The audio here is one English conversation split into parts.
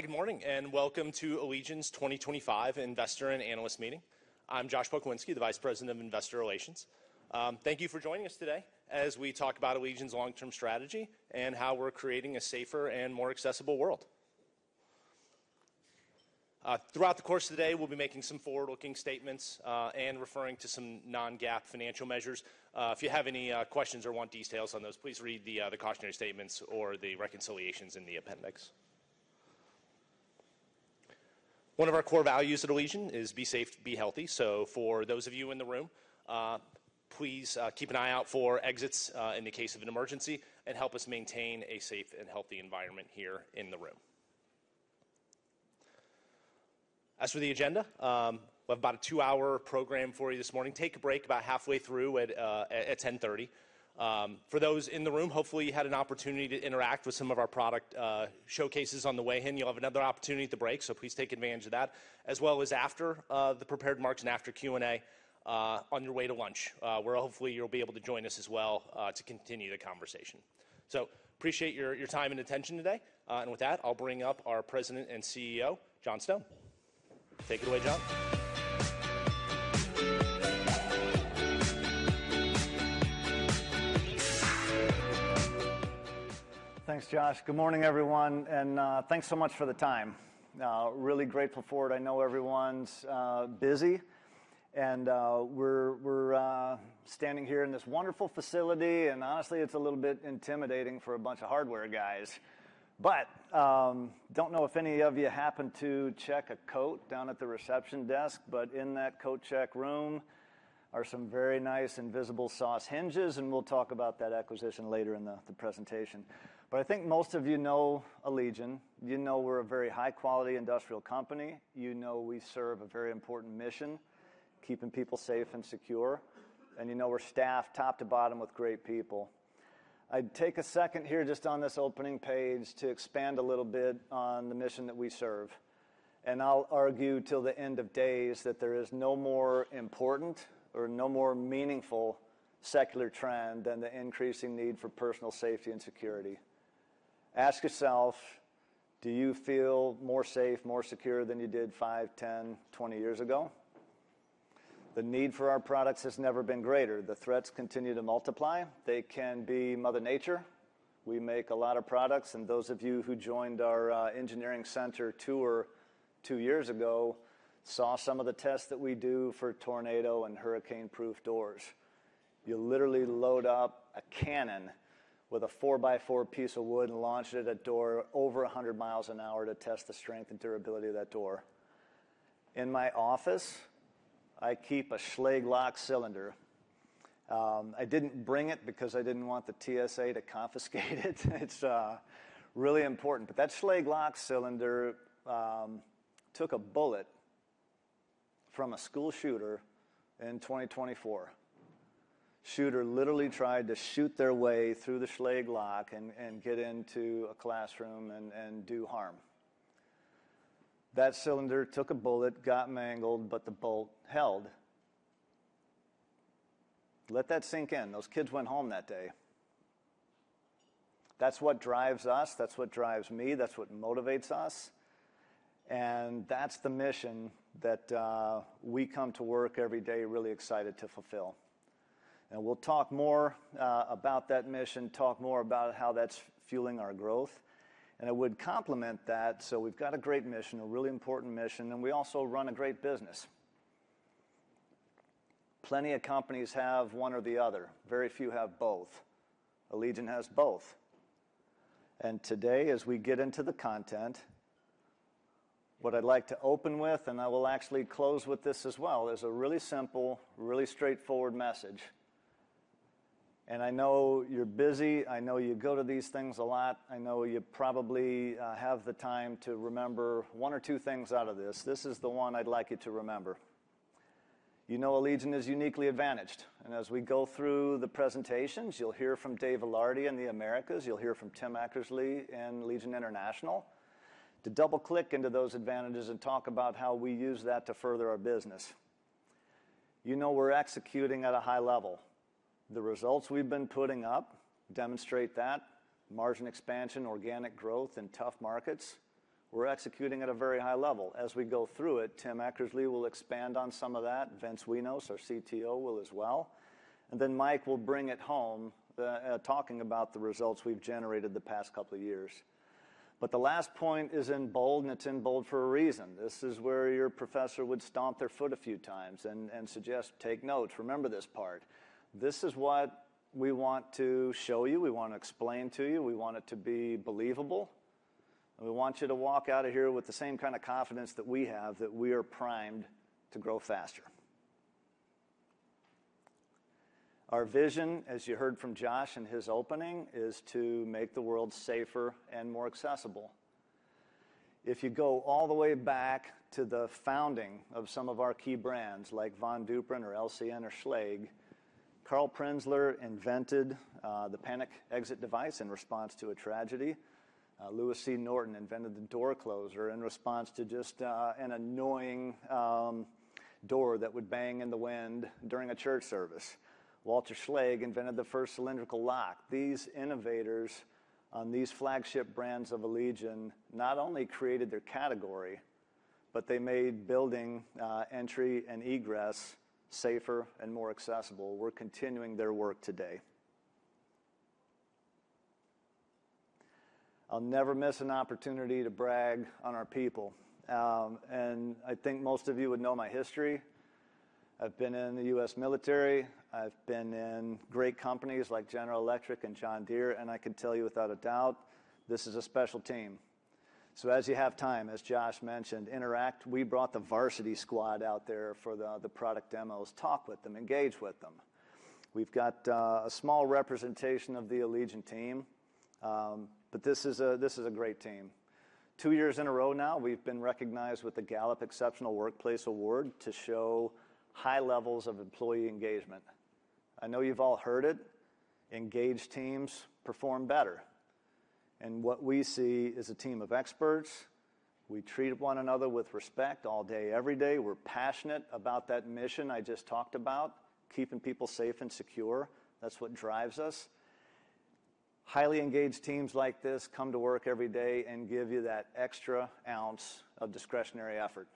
Good morning and welcome to Allegion's 2025 investor and analyst meeting. I'm Josh Pokrzywinski, the Vice President of Investor Relations. Thank you for joining us today as we talk about Allegion's long-term strategy and how we're creating a safer and more accessible world. Throughout the course of the day, we'll be making some forward-looking statements and referring to some non-GAAP financial measures. If you have any questions or want details on those, please read the cautionary statements or the reconciliations in the appendix. One of our core values at Allegion is be safe, be healthy. For those of you in the room, please keep an eye out for exits in the case of an emergency and help us maintain a safe and healthy environment here in the room. As for the agenda, we have about a two-hour program for you this morning. Take a break about halfway through at 10:30. For those in the room, hopefully you had an opportunity to interact with some of our product showcases on the way in. You'll have another opportunity at the break, so please take advantage of that, as well as after the prepared marks and after Q&A on your way to lunch, where hopefully you'll be able to join us as well to continue the conversation. I appreciate your time and attention today. With that, I'll bring up our President and CEO, John Stone. Take it away, John. Thanks, Josh. Good morning, everyone, and thanks so much for the time. Really grateful for it. I know everyone's busy, and we're standing here in this wonderful facility. Honestly, it's a little bit intimidating for a bunch of hardware guys. I don't know if any of you happened to check a coat down at the reception desk, but in that coat check room are some very nice invisible sauce hinges. We'll talk about that acquisition later in the presentation. I think most of you know Allegion. You know we're a very high-quality industrial company. You know we serve a very important mission, keeping people safe and secure. You know we're staffed top to bottom with great people. I'd take a second here just on this opening page to expand a little bit on the mission that we serve. I'll argue till the end of days that there is no more important or no more meaningful secular trend than the increasing need for personal safety and security. Ask yourself, do you feel more safe, more secure than you did five, 10, 20 years ago? The need for our products has never been greater. The threats continue to multiply. They can be Mother Nature. We make a lot of products. Those of you who joined our engineering center tour two years ago saw some of the tests that we do for tornado and hurricane-proof doors. You literally load up a cannon with a four-by-four piece of wood and launch it at a door over 100 mi an hour to test the strength and durability of that door. In my office, I keep a Schlage lock cylinder. I didn't bring it because I didn't want the TSA to confiscate it. It's really important. That Schlage lock cylinder took a bullet from a school shooter in 2024. Shooter literally tried to shoot their way through the Schlage lock and get into a classroom and do harm. That cylinder took a bullet, got mangled, but the bolt held. Let that sink in. Those kids went home that day. That's what drives us. That's what drives me. That's what motivates us. That's the mission that we come to work every day really excited to fulfill. We'll talk more about that mission, talk more about how that's fueling our growth. I would complement that. We've got a great mission, a really important mission, and we also run a great business. Plenty of companies have one or the other. Very few have both. Allegion has both. Today, as we get into the content, what I'd like to open with, and I will actually close with this as well, is a really simple, really straightforward message. I know you're busy. I know you go to these things a lot. I know you probably have the time to remember one or two things out of this. This is the one I'd like you to remember. You know Allegion is uniquely advantaged. As we go through the presentations, you'll hear from Dave Ilardi in the Americas. You'll hear from Tim Eckersley in Allegion International to double-click into those advantages and talk about how we use that to further our business. You know we're executing at a high level. The results we've been putting up demonstrate that: margin expansion, organic growth, and tough markets. We're executing at a very high level. As we go through it, Tim Eckersley will expand on some of that. Vince Wenos, our CTO, will as well. Mike will bring it home, talking about the results we've generated the past couple of years. The last point is in bold, and it's in bold for a reason. This is where your professor would stomp their foot a few times and suggest, "Take notes. Remember this part." This is what we want to show you. We want to explain to you. We want it to be believable. We want you to walk out of here with the same kind of confidence that we have, that we are primed to grow faster. Our vision, as you heard from Josh in his opening, is to make the world safer and more accessible. If you go all the way back to the founding of some of our key brands, like Von Duprin, or LCN, or Schlage, Carl Prinzler invented the panic exit device in response to a tragedy. Lewis C. Norton invented the door closer in response to just an annoying door that would bang in the wind during a church service. Walter Schlage invented the first cylindrical lock. These innovators on these flagship brands of Allegion not only created their category, but they made building entry and egress safer and more accessible. We're continuing their work today. I'll never miss an opportunity to brag on our people. I think most of you would know my history. I've been in the U.S. military. I've been in great companies like General Electric and John Deere. I can tell you without a doubt, this is a special team. As you have time, as Josh mentioned, interact. We brought the varsity squad out there for the product demos. Talk with them. Engage with them. We've got a small representation of the Allegion team, but this is a great team. Two years in a row now, we've been recognized with the Gallup Exceptional Workplace Award to show high levels of employee engagement. I know you've all heard it. Engaged teams perform better. What we see is a team of experts. We treat one another with respect all day, every day. We're passionate about that mission I just talked about, keeping people safe and secure. That's what drives us. Highly engaged teams like this come to work every day and give you that extra ounce of discretionary effort.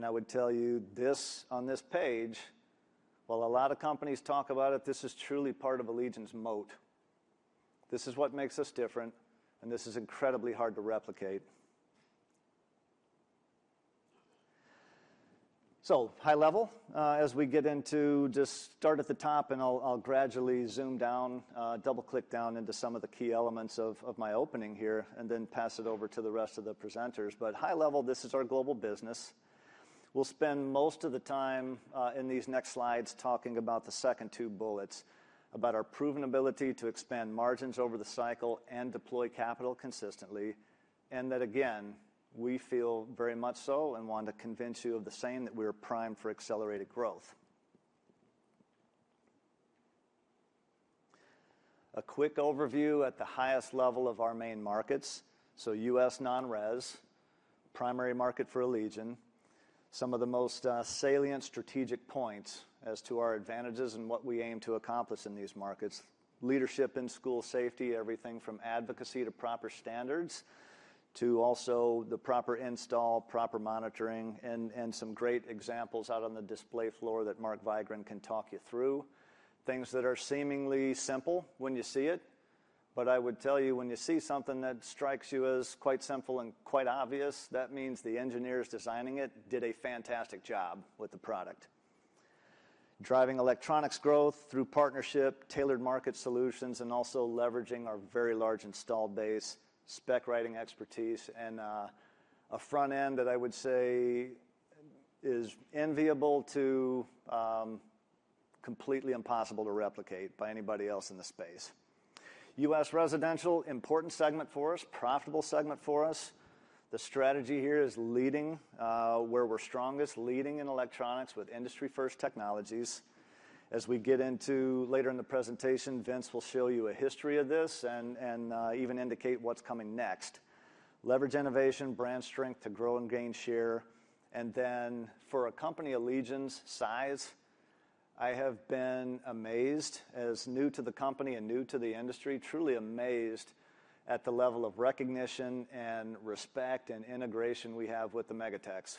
I would tell you this on this page, while a lot of companies talk about it, this is truly part of Allegion's moat. This is what makes us different, and this is incredibly hard to replicate. High level, as we get into just start at the top, and I'll gradually zoom down, double-click down into some of the key elements of my opening here, and then pass it over to the rest of the presenters. High level, this is our global business. We'll spend most of the time in these next slides talking about the second two bullets, about our proven ability to expand margins over the cycle and deploy capital consistently, and that, again, we feel very much so and want to convince you of the same that we are primed for accelerated growth. A quick overview at the highest level of our main markets. U.S. non-rez, primary market for Allegion, some of the most salient strategic points as to our advantages and what we aim to accomplish in these markets: leadership in school safety, everything from advocacy to proper standards to also the proper install, proper monitoring, and some great examples out on the display floor that Mark Vigren can talk you through. Things that are seemingly simple when you see it. I would tell you, when you see something that strikes you as quite simple and quite obvious, that means the engineers designing it did a fantastic job with the product. Driving electronics growth through partnership, tailored market solutions, and also leveraging our very large install base, spec writing expertise, and a front end that I would say is enviable to completely impossible to replicate by anybody else in the space. U.S. residential, important segment for us, profitable segment for us. The strategy here is leading where we're strongest, leading in electronics with industry-first technologies. As we get into later in the presentation, Vince will show you a history of this and even indicate what's coming next. Leverage innovation, brand strength to grow and gain share. For a company Allegion's size, I have been amazed as new to the company and new to the industry, truly amazed at the level of recognition and respect and integration we have with the megatechs.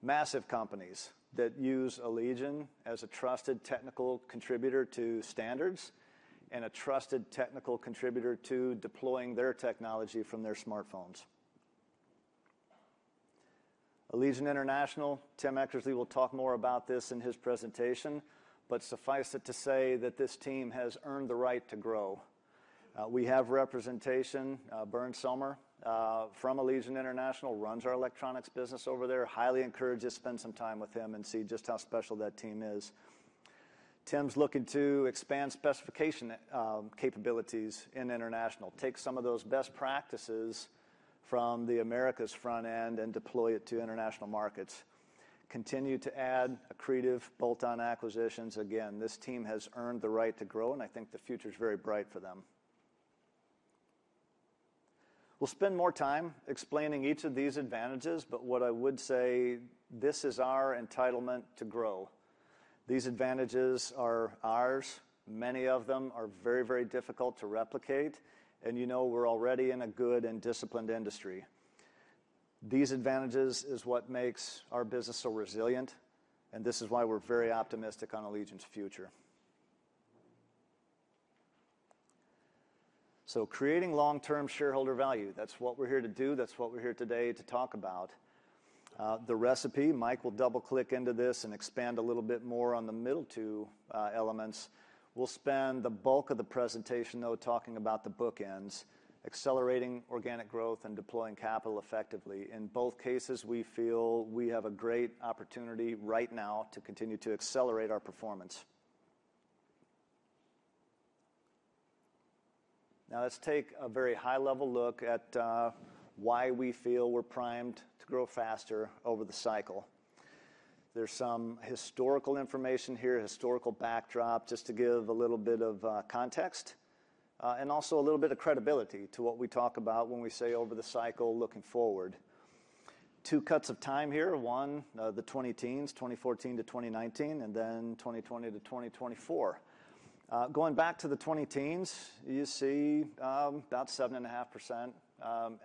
Massive companies that use Allegion as a trusted technical contributor to standards and a trusted technical contributor to deploying their technology from their smartphones. Allegion International, Tim Eckersley will talk more about this in his presentation, but suffice it to say that this team has earned the right to grow. We have representation. Bern Sommer from Allegion International runs our electronics business over there. Highly encourage you to spend some time with him and see just how special that team is. Tim's looking to expand specification capabilities in international, take some of those best practices from the Americas front end and deploy it to international markets, continue to add accretive bolt-on acquisitions. Again, this team has earned the right to grow, and I think the future is very bright for them. We will spend more time explaining each of these advantages, but what I would say, this is our entitlement to grow. These advantages are ours. Many of them are very, very difficult to replicate. You know we're already in a good and disciplined industry. These advantages are what makes our business so resilient, and this is why we're very optimistic on Allegion's future. Creating long-term shareholder value, that's what we're here to do. That's what we're here today to talk about. The recipe, Mike will double-click into this and expand a little bit more on the middle two elements. We'll spend the bulk of the presentation, though, talking about the bookends, accelerating organic growth and deploying capital effectively. In both cases, we feel we have a great opportunity right now to continue to accelerate our performance. Now let's take a very high-level look at why we feel we're primed to grow faster over the cycle. There's some historical information here, historical backdrop, just to give a little bit of context and also a little bit of credibility to what we talk about when we say over the cycle, looking forward. Two cuts of time here. One, the 2010s, 2014 to 2019, and then 2020 to 2024. Going back to the 2010s, you see about 7.5%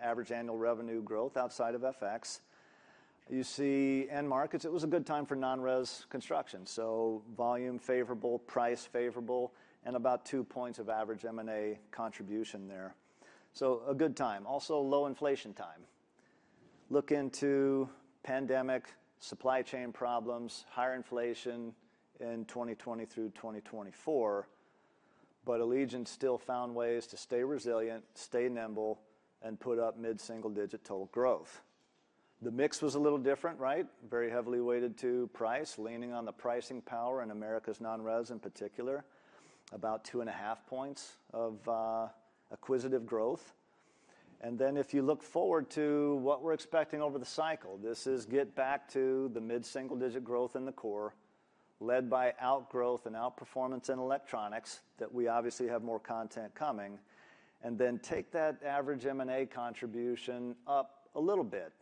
average annual revenue growth outside of FX. You see end markets, it was a good time for non-rez construction. Volume favorable, price favorable, and about two points of average M&A contribution there. A good time. Also low inflation time. Look into pandemic, supply chain problems, higher inflation in 2020 through 2024, but Allegion still found ways to stay resilient, stay nimble, and put up mid-single-digit total growth. The mix was a little different, right? Very heavily weighted to price, leaning on the pricing power in America's non-rez in particular, about 2.5 points of acquisitive growth. If you look forward to what we're expecting over the cycle, this is get back to the mid-single-digit growth in the core, led by outgrowth and outperformance in electronics that we obviously have more content coming, and then take that average M&A contribution up a little bit.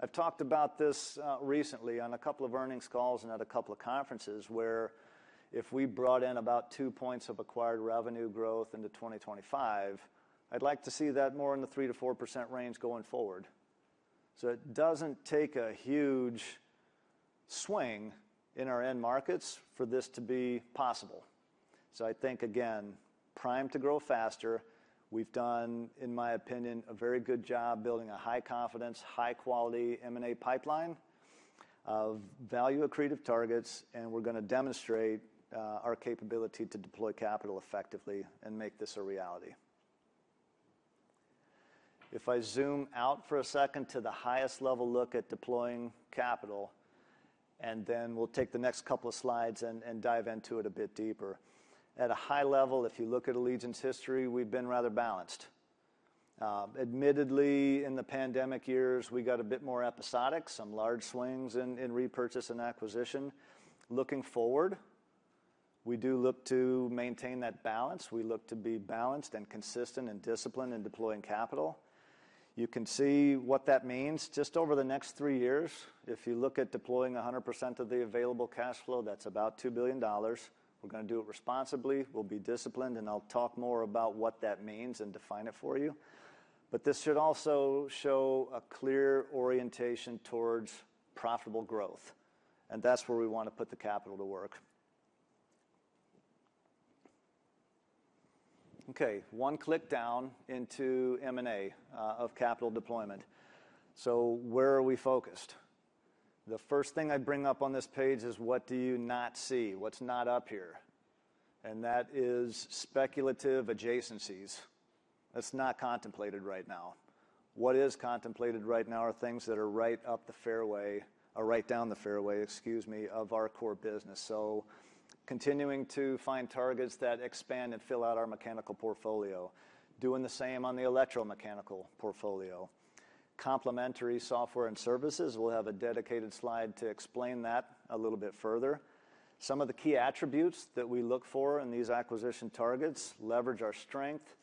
I've talked about this recently on a couple of earnings calls and at a couple of conferences where if we brought in about two points of acquired revenue growth into 2025, I'd like to see that more in the 3%-4% range going forward. It doesn't take a huge swing in our end markets for this to be possible. I think, again, primed to grow faster. We've done, in my opinion, a very good job building a high-confidence, high-quality M&A pipeline of value-accretive targets, and we're going to demonstrate our capability to deploy capital effectively and make this a reality. If I zoom out for a second to the highest level look at deploying capital, we'll take the next couple of slides and dive into it a bit deeper. At a high level, if you look at Allegion's history, we've been rather balanced. Admittedly, in the pandemic years, we got a bit more episodic, some large swings in repurchase and acquisition. Looking forward, we do look to maintain that balance. We look to be balanced and consistent and disciplined in deploying capital. You can see what that means. Just over the next three years, if you look at deploying 100% of the available cash flow, that's about $2 billion. We're going to do it responsibly. We'll be disciplined, and I'll talk more about what that means and define it for you. This should also show a clear orientation towards profitable growth, and that's where we want to put the capital to work. Okay, one click down into M&A of capital deployment. Where are we focused? The first thing I bring up on this page is what do you not see, what's not up here, and that is speculative adjacencies. That's not contemplated right now. What is contemplated right now are things that are right up the fairway or right down the fairway, excuse me, of our core business. Continuing to find targets that expand and fill out our mechanical portfolio, doing the same on the electromechanical portfolio. Complementary software and services, we'll have a dedicated slide to explain that a little bit further. Some of the key attributes that we look for in these acquisition targets leverage our strength,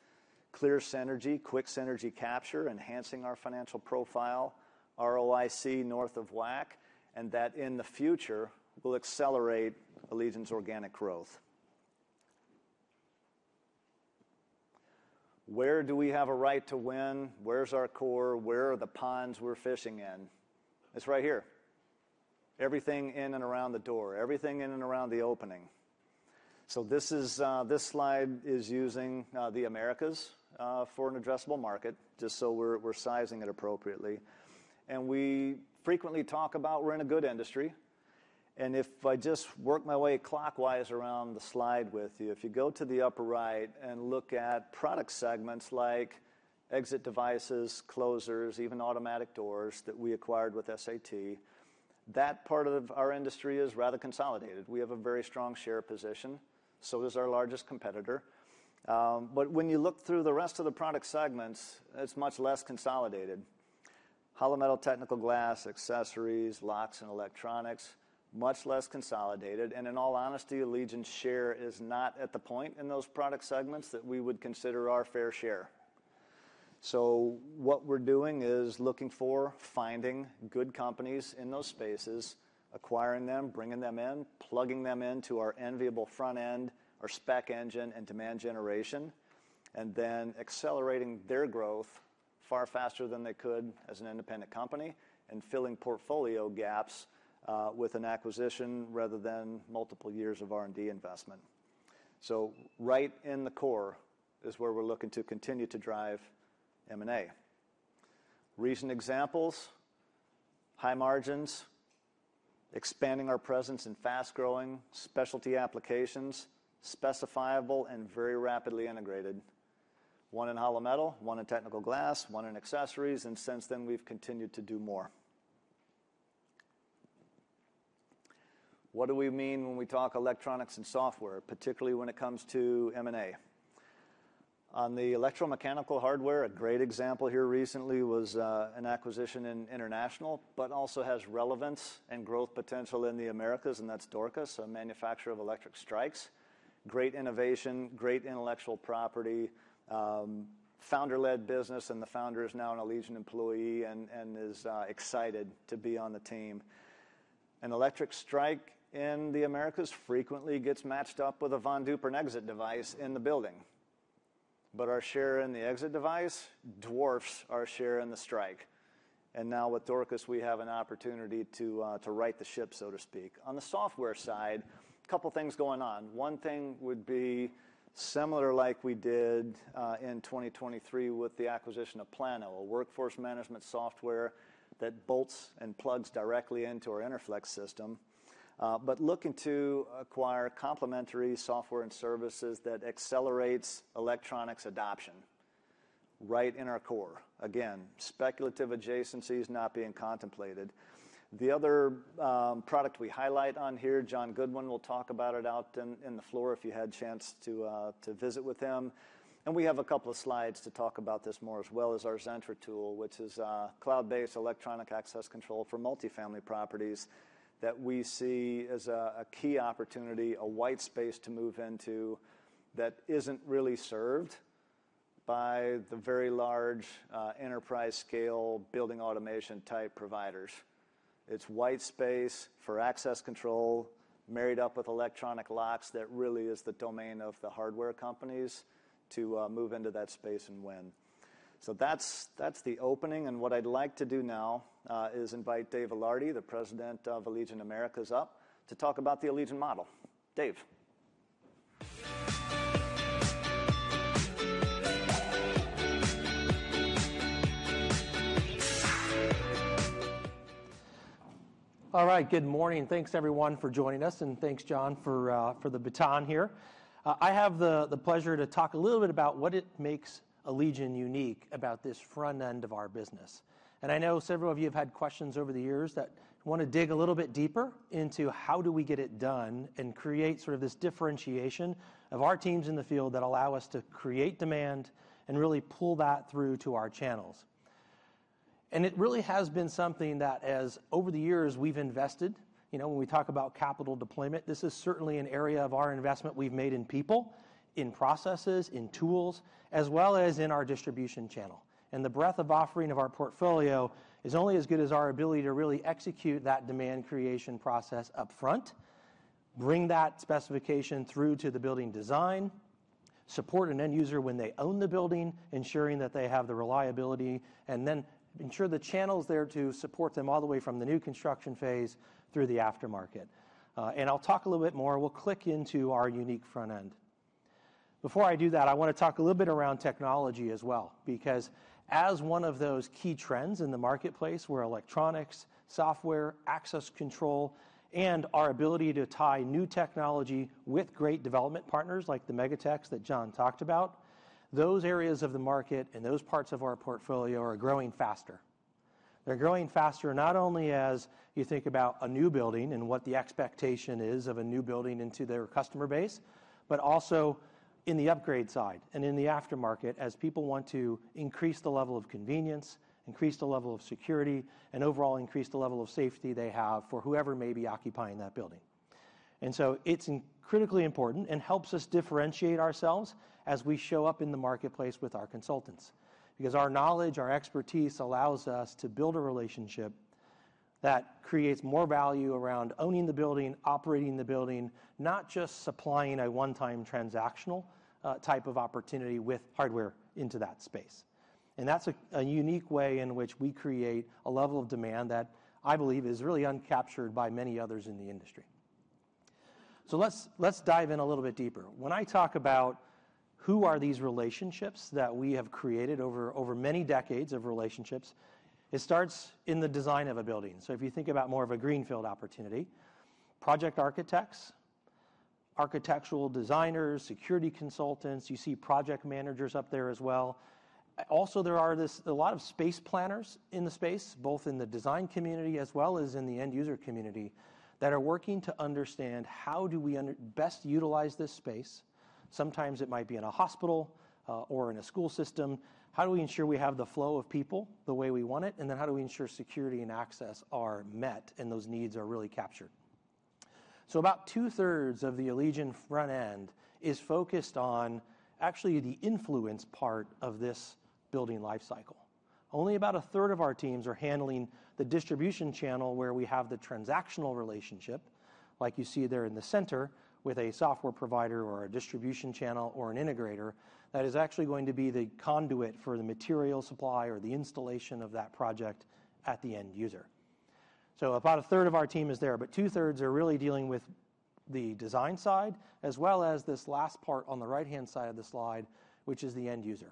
clear synergy, quick synergy capture, enhancing our financial profile, ROIC north of WACC, and that in the future will accelerate Allegion's organic growth. Where do we have a right to win? Where's our core? Where are the ponds we're fishing in? It's right here. Everything in and around the door, everything in and around the opening. This slide is using the Americas for an addressable market, just so we're sizing it appropriately. We frequently talk about we're in a good industry. If I just work my way clockwise around the slide with you, if you go to the upper right and look at product segments like exit devices, closers, even automatic doors that we acquired with SAT, that part of our industry is rather consolidated. We have a very strong share position. So is our largest competitor. When you look through the rest of the product segments, it is much less consolidated. Polymetal technical glass, accessories, locks, and electronics, much less consolidated. In all honesty, Allegion's share is not at the point in those product segments that we would consider our fair share. What we're doing is looking for, finding good companies in those spaces, acquiring them, bringing them in, plugging them into our enviable front end, our spec engine, and demand generation, and then accelerating their growth far faster than they could as an independent company and filling portfolio gaps with an acquisition rather than multiple years of R&D investment. Right in the core is where we're looking to continue to drive M&A. Recent examples, high margins, expanding our presence in fast-growing specialty applications, specifiable and very rapidly integrated, one in polymetal, one in technical glass, one in accessories, and since then we've continued to do more. What do we mean when we talk electronics and software, particularly when it comes to M&A? On the electromechanical hardware, a great example here recently was an acquisition in international, but also has relevance and growth potential in the Americas, and that's Dorcas, a manufacturer of electric strikes. Great innovation, great intellectual property, founder-led business, and the founder is now an Allegion employee and is excited to be on the team. An electric strike in the Americas frequently gets matched up with a Von Duprin exit device in the building. Our share in the exit device dwarfs our share in the strike. Now with Dorcas, we have an opportunity to right the ship, so to speak. On the software side, a couple of things going on. One thing would be similar like we did in 2023 with the acquisition of plano, a workforce management software that bolts and plugs directly into our Interflex system, but looking to acquire complementary software and services that accelerates electronics adoption right in our core. Again, speculative adjacencies not being contemplated. The other product we highlight on here, John Goodwin will talk about it out in the floor if you had a chance to visit with him. We have a couple of slides to talk about this more as well as our Zentra tool, which is a cloud-based electronic access control for multifamily properties that we see as a key opportunity, a white space to move into that isn't really served by the very large enterprise-scale building automation type providers. It's white space for access control married up with electronic locks that really is the domain of the hardware companies to move into that space and win. That is the opening. What I'd like to do now is invite Dave Alardi, the President of Allegion Americas, to talk about the Allegion model. Dave. All right, good morning. Thanks, everyone, for joining us, and thanks, John, for the baton here. I have the pleasure to talk a little bit about what makes Allegion unique about this front end of our business. I know several of you have had questions over the years that want to dig a little bit deeper into how do we get it done and create sort of this differentiation of our teams in the field that allow us to create demand and really pull that through to our channels. It really has been something that, as over the years we've invested, you know, when we talk about capital deployment, this is certainly an area of our investment we've made in people, in processes, in tools, as well as in our distribution channel. The breadth of offering of our portfolio is only as good as our ability to really execute that demand creation process upfront, bring that specification through to the building design, support an end user when they own the building, ensuring that they have the reliability, and then ensure the channel is there to support them all the way from the new construction phase through the aftermarket. I'll talk a little bit more. We'll click into our unique front end. Before I do that, I want to talk a little bit around technology as well, because as one of those key trends in the marketplace where electronics, software, access control, and our ability to tie new technology with great development partners like the megatechs that John talked about, those areas of the market and those parts of our portfolio are growing faster. They're growing faster not only as you think about a new building and what the expectation is of a new building into their customer base, but also in the upgrade side and in the aftermarket as people want to increase the level of convenience, increase the level of security, and overall increase the level of safety they have for whoever may be occupying that building. It is critically important and helps us differentiate ourselves as we show up in the marketplace with our consultants, because our knowledge, our expertise allows us to build a relationship that creates more value around owning the building, operating the building, not just supplying a one-time transactional type of opportunity with hardware into that space. That is a unique way in which we create a level of demand that I believe is really uncaptured by many others in the industry. Let's dive in a little bit deeper. When I talk about who are these relationships that we have created over many decades of relationships, it starts in the design of a building. If you think about more of a greenfield opportunity, project architects, architectural designers, security consultants, you see project managers up there as well. Also, there are a lot of space planners in the space, both in the design community as well as in the end user community that are working to understand how do we best utilize this space. Sometimes it might be in a hospital or in a school system. How do we ensure we have the flow of people the way we want it? How do we ensure security and access are met and those needs are really captured? About two-thirds of the Allegion front end is focused on actually the influence part of this building lifecycle. Only about a third of our teams are handling the distribution channel where we have the transactional relationship, like you see there in the center with a software provider or a distribution channel or an integrator that is actually going to be the conduit for the material supply or the installation of that project at the end user. About a third of our team is there, but two-thirds are really dealing with the design side as well as this last part on the right-hand side of the slide, which is the end user.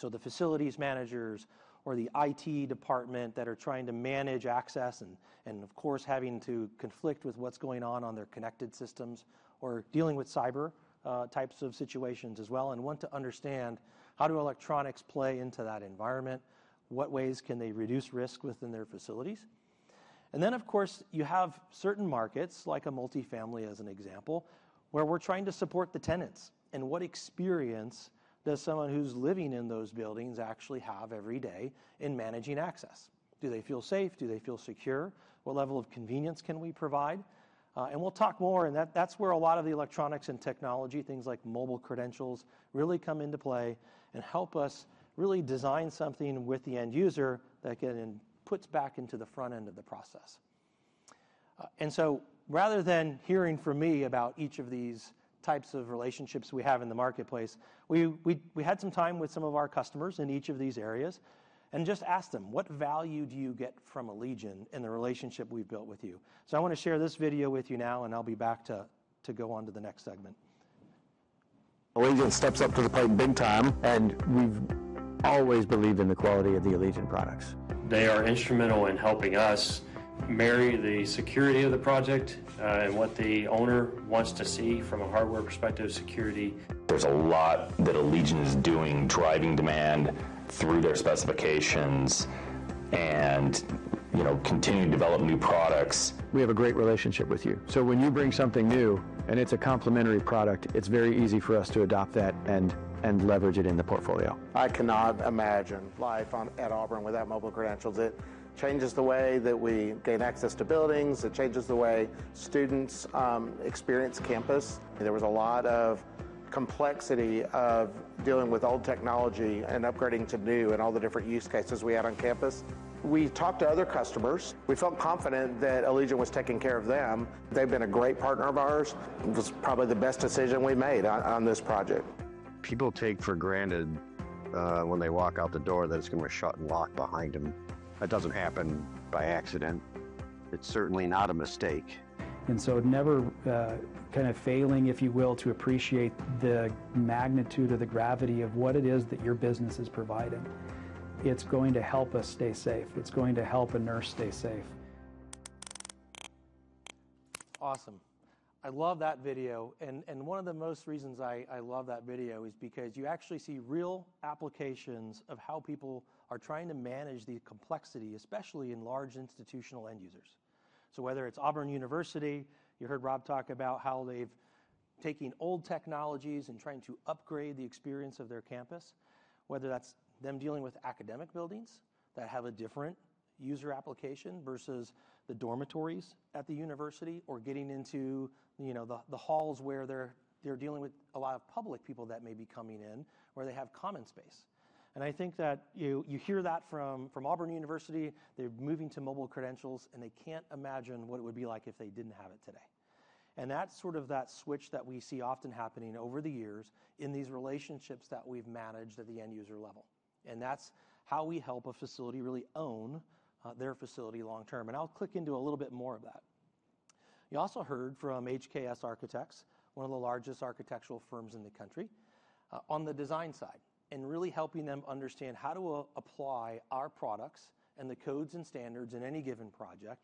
The facilities managers or the IT department that are trying to manage access and, of course, having to conflict with what's going on on their connected systems or dealing with cyber types of situations as well and want to understand how do electronics play into that environment? What ways can they reduce risk within their facilities? Of course, you have certain markets, like a multifamily as an example, where we're trying to support the tenants. What experience does someone who's living in those buildings actually have every day in managing access? Do they feel safe? Do they feel secure? What level of convenience can we provide? We'll talk more. That's where a lot of the electronics and technology, things like mobile credentials, really come into play and help us really design something with the end user that can put back into the front end of the process. Rather than hearing from me about each of these types of relationships we have in the marketplace, we had some time with some of our customers in each of these areas and just asked them, "What value do you get from Allegion in the relationship we've built with you?" I want to share this video with you now, and I'll be back to go on to the next segment. Allegion steps up to the plate big time, and we've always believed in the quality of the Allegion products. They are instrumental in helping us marry the security of the project and what the owner wants to see from a hardware perspective security. There's a lot that Allegion is doing, driving demand through their specifications and continuing to develop new products. We have a great relationship with you. When you bring something new and it's a complementary product, it's very easy for us to adopt that and leverage it in the portfolio. I cannot imagine life at Auburn without mobile credentials. It changes the way that we gain access to buildings. It changes the way students experience campus. There was a lot of complexity of dealing with old technology and upgrading to new and all the different use cases we had on campus. We talked to other customers. We felt confident that Allegion was taking care of them. They've been a great partner of ours. It was probably the best decision we made on this project. People take for granted when they walk out the door that it's going to be shut and locked behind them. That doesn't happen by accident. It's certainly not a mistake. Never kind of failing, if you will, to appreciate the magnitude of the gravity of what it is that your business is providing. It's going to help us stay safe. It's going to help a nurse stay safe. Awesome. I love that video. One of the most reasons I love that video is because you actually see real applications of how people are trying to manage the complexity, especially in large institutional end users. Whether it's Auburn University, you heard Rob talk about how they're taking old technologies and trying to upgrade the experience of their campus, whether that's them dealing with academic buildings that have a different user application versus the dormitories at the university or getting into the halls where they're dealing with a lot of public people that may be coming in where they have common space. I think that you hear that from Auburn University. They're moving to mobile credentials, and they can't imagine what it would be like if they didn't have it today. That is sort of that switch that we see often happening over the years in these relationships that we've managed at the end user level. That is how we help a facility really own their facility long term. I'll click into a little bit more of that. You also heard from HKS Architects, one of the largest architectural firms in the country, on the design side and really helping them understand how to apply our products and the codes and standards in any given project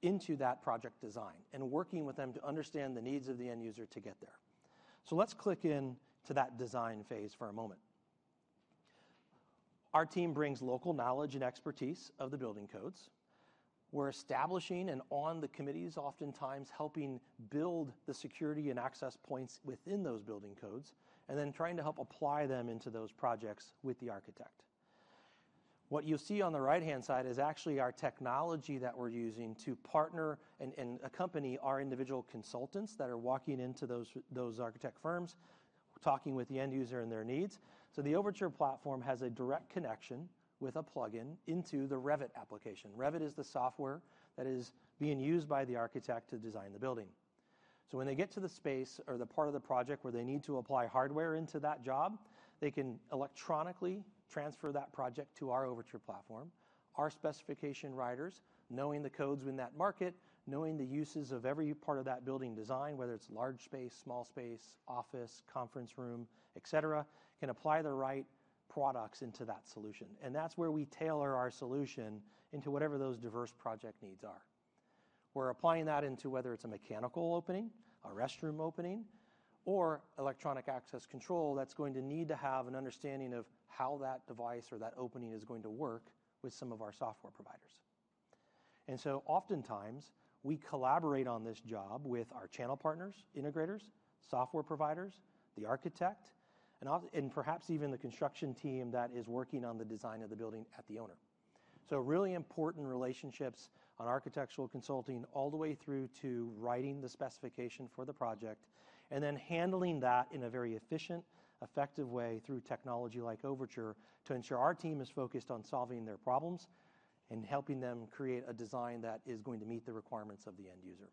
into that project design and working with them to understand the needs of the end user to get there. Let's click into that design phase for a moment. Our team brings local knowledge and expertise of the building codes. We're establishing and on the committees, oftentimes helping build the security and access points within those building codes and then trying to help apply them into those projects with the architect. What you'll see on the right-hand side is actually our technology that we're using to partner and accompany our individual consultants that are walking into those architect firms, talking with the end user and their needs. The Overtur platform has a direct connection with a plugin into the Revit application. Revit is the software that is being used by the architect to design the building. When they get to the space or the part of the project where they need to apply hardware into that job, they can electronically transfer that project to our Overtur platform. Our specification writers, knowing the codes in that market, knowing the uses of every part of that building design, whether it's large space, small space, office, conference room, etc., can apply the right products into that solution. That is where we tailor our solution into whatever those diverse project needs are. We're applying that into whether it's a mechanical opening, a restroom opening, or electronic access control that's going to need to have an understanding of how that device or that opening is going to work with some of our software providers. Oftentimes we collaborate on this job with our channel partners, integrators, software providers, the architect, and perhaps even the construction team that is working on the design of the building at the owner. Really important relationships on architectural consulting all the way through to writing the specification for the project and then handling that in a very efficient, effective way through technology like Overtur to ensure our team is focused on solving their problems and helping them create a design that is going to meet the requirements of the end user.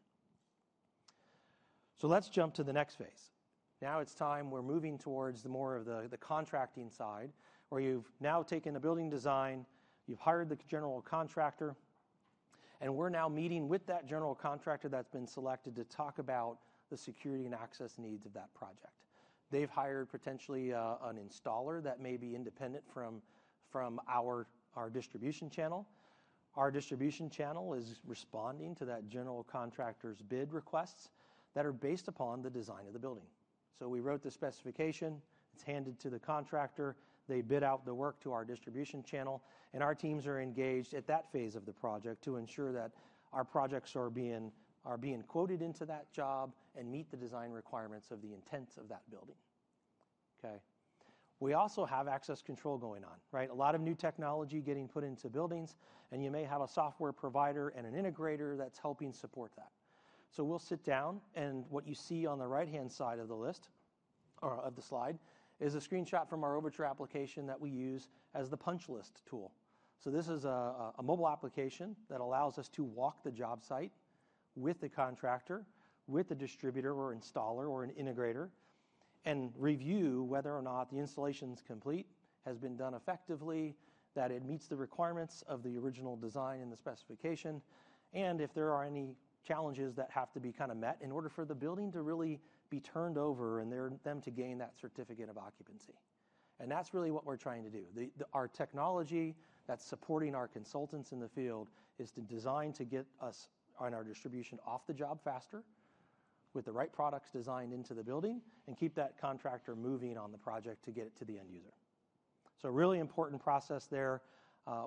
Let's jump to the next phase. Now it's time we're moving towards more of the contracting side where you've now taken the building design, you've hired the general contractor, and we're now meeting with that general contractor that's been selected to talk about the security and access needs of that project. They've hired potentially an installer that may be independent from our distribution channel. Our distribution channel is responding to that general contractor's bid requests that are based upon the design of the building. We wrote the specification, it's handed to the contractor, they bid out the work to our distribution channel, and our teams are engaged at that phase of the project to ensure that our projects are being quoted into that job and meet the design requirements of the intent of that building. Okay. We also have access control going on, right? A lot of new technology getting put into buildings, and you may have a software provider and an integrator that's helping support that. We'll sit down, and what you see on the right-hand side of the list or of the slide is a screenshot from our Overtur application that we use as the punch list tool. This is a mobile application that allows us to walk the job site with the contractor, with the distributor or installer or an integrator, and review whether or not the installation is complete, has been done effectively, that it meets the requirements of the original design and the specification, and if there are any challenges that have to be kind of met in order for the building to really be turned over and them to gain that certificate of occupancy. That is really what we're trying to do. Our technology that's supporting our consultants in the field is designed to get us and our distribution off the job faster with the right products designed into the building and keep that contractor moving on the project to get it to the end user. A really important process there.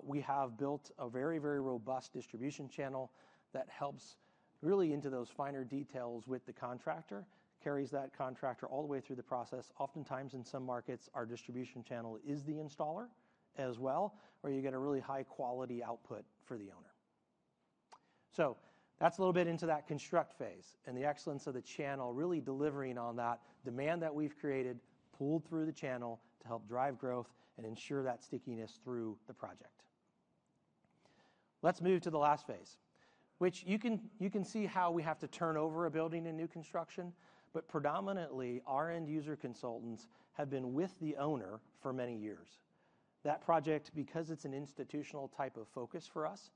We have built a very, very robust distribution channel that helps really into those finer details with the contractor, carries that contractor all the way through the process. Oftentimes in some markets, our distribution channel is the installer as well, or you get a really high-quality output for the owner. That's a little bit into that construct phase and the excellence of the channel really delivering on that demand that we've created, pulled through the channel to help drive growth and ensure that stickiness through the project. Let's move to the last phase, which you can see how we have to turn over a building in new construction, but predominantly our end user consultants have been with the owner for many years. That project, because it's an institutional type of focus for us,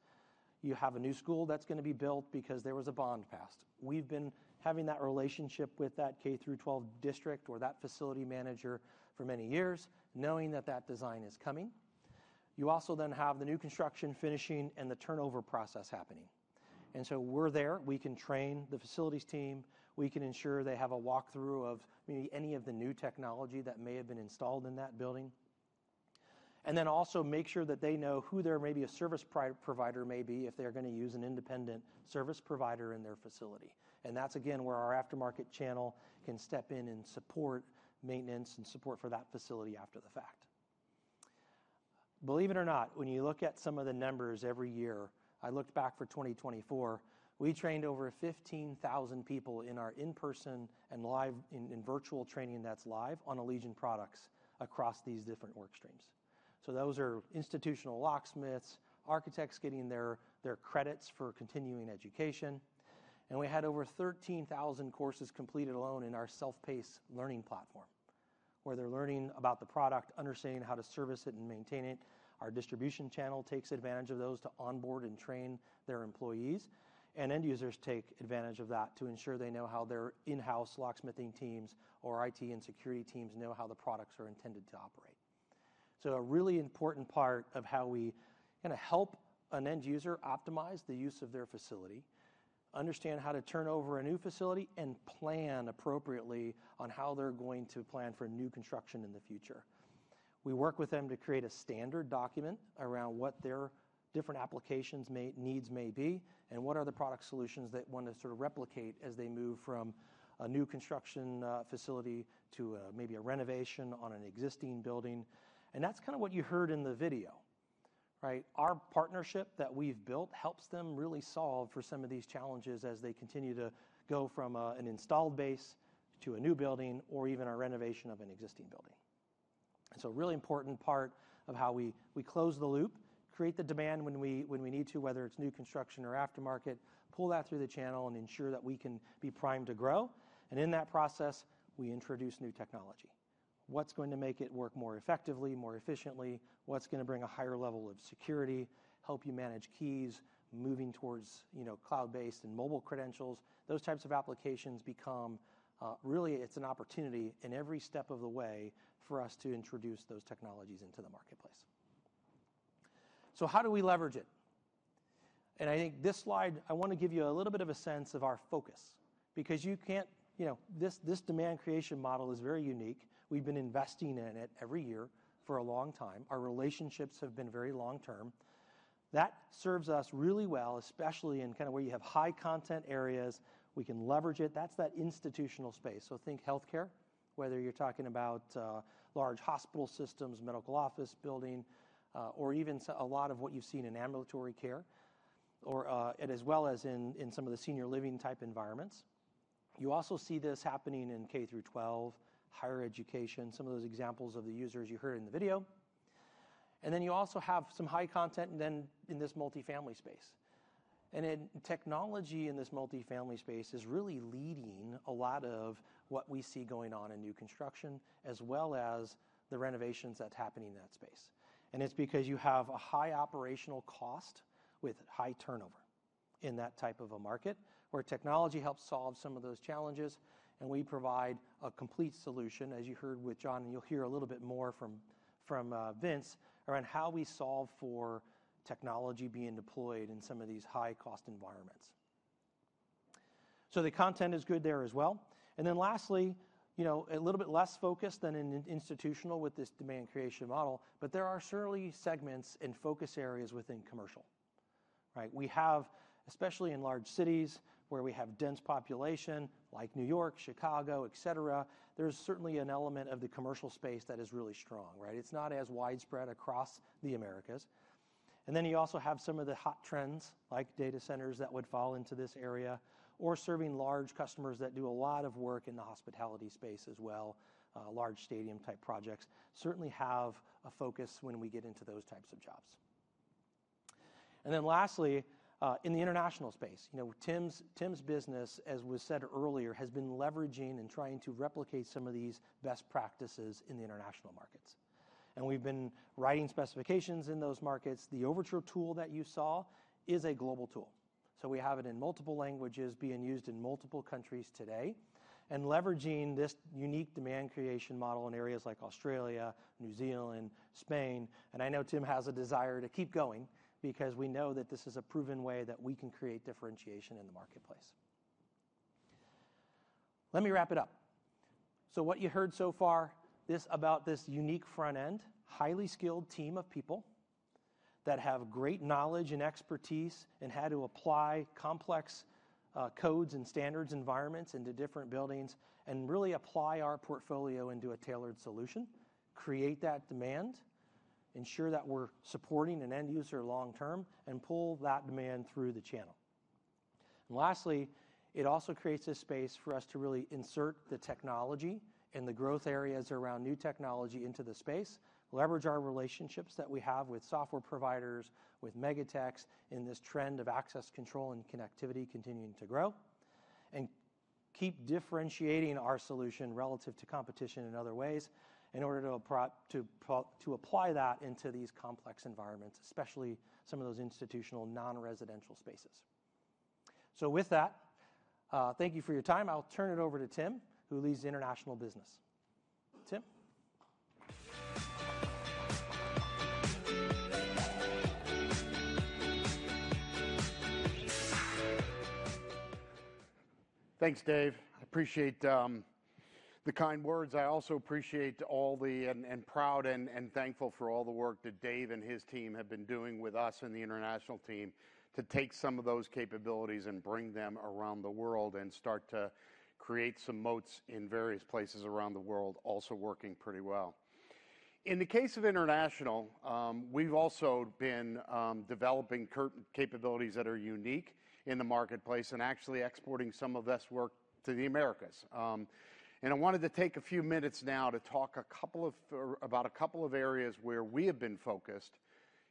you have a new school that's going to be built because there was a bond passed. We've been having that relationship with that K-12 district or that facility manager for many years, knowing that that design is coming. You also then have the new construction finishing and the turnover process happening. We are there. We can train the facilities team. We can ensure they have a walkthrough of any of the new technology that may have been installed in that building. We also make sure that they know who their service provider may be if they're going to use an independent service provider in their facility. That's, again, where our aftermarket channel can step in and support maintenance and support for that facility after the fact. Believe it or not, when you look at some of the numbers every year, I looked back for 2024, we trained over 15,000 people in our in-person and live and virtual training that's live on Allegion products across these different work streams. Those are institutional locksmiths, architects getting their credits for continuing education. We had over 13,000 courses completed alone in our self-paced learning platform where they're learning about the product, understanding how to service it and maintain it. Our distribution channel takes advantage of those to onboard and train their employees, and end users take advantage of that to ensure they know how their in-house locksmithing teams or IT and security teams know how the products are intended to operate. A really important part of how we kind of help an end user optimize the use of their facility is to understand how to turn over a new facility and plan appropriately on how they're going to plan for new construction in the future. We work with them to create a standard document around what their different applications needs may be and what are the product solutions that they want to sort of replicate as they move from a new construction facility to maybe a renovation on an existing building. That is kind of what you heard in the video, right? Our partnership that we've built helps them really solve for some of these challenges as they continue to go from an installed base to a new building or even a renovation of an existing building. A really important part of how we close the loop, create the demand when we need to, whether it's new construction or aftermarket, pull that through the channel and ensure that we can be primed to grow. In that process, we introduce new technology. What's going to make it work more effectively, more efficiently? What's going to bring a higher level of security, help you manage keys, moving towards cloud-based and mobile credentials? Those types of applications become really, it's an opportunity in every step of the way for us to introduce those technologies into the marketplace. How do we leverage it? I think this slide, I want to give you a little bit of a sense of our focus because you can't—this demand creation model is very unique. We've been investing in it every year for a long time. Our relationships have been very long term. That serves us really well, especially in kind of where you have high content areas. We can leverage it. That's that institutional space. Think healthcare, whether you're talking about large hospital systems, medical office building, or even a lot of what you've seen in ambulatory care, as well as in some of the senior living type environments. You also see this happening in K-12, higher education, some of those examples of the users you heard in the video. You also have some high content then in this multifamily space. Technology in this multifamily space is really leading a lot of what we see going on in new construction as well as the renovations that's happening in that space. It is because you have a high operational cost with high turnover in that type of a market where technology helps solve some of those challenges. We provide a complete solution, as you heard with John, and you'll hear a little bit more from Vince around how we solve for technology being deployed in some of these high-cost environments. The content is good there as well. Lastly, a little bit less focused than in institutional with this demand creation model, but there are certainly segments and focus areas within commercial, right? We have, especially in large cities where we have dense population like New York, Chicago, etc., there's certainly an element of the commercial space that is really strong, right? It's not as widespread across the Americas. You also have some of the hot trends like data centers that would fall into this area or serving large customers that do a lot of work in the hospitality space as well, large stadium type projects. Certainly have a focus when we get into those types of jobs. Lastly, in the international space, Tim's business, as was said earlier, has been leveraging and trying to replicate some of these best practices in the international markets. We have been writing specifications in those markets. The Overtur tool that you saw is a global tool. We have it in multiple languages being used in multiple countries today and leveraging this unique demand creation model in areas like Australia, New Zealand, Spain. I know Tim has a desire to keep going because we know that this is a proven way that we can create differentiation in the marketplace. Let me wrap it up. What you heard so far about this unique front end, highly skilled team of people that have great knowledge and expertise and how to apply complex codes and standards environments into different buildings and really apply our portfolio into a tailored solution, create that demand, ensure that we're supporting an end user long term, and pull that demand through the channel. Lastly, it also creates a space for us to really insert the technology and the growth areas around new technology into the space, leverage our relationships that we have with software providers, with megatechs in this trend of access control and connectivity continuing to grow, and keep differentiating our solution relative to competition in other ways in order to apply that into these complex environments, especially some of those institutional non-residential spaces. Thank you for your time. I'll turn it over to Tim, who leads international business. Tim. Thanks, Dave. I appreciate the kind words. I also appreciate all the—and proud and thankful for all the work that Dave and his team have been doing with us and the international team to take some of those capabilities and bring them around the world and start to create some moats in various places around the world, also working pretty well. In the case of international, we've also been developing capabilities that are unique in the marketplace and actually exporting some of this work to the Americas. I wanted to take a few minutes now to talk about a couple of areas where we have been focused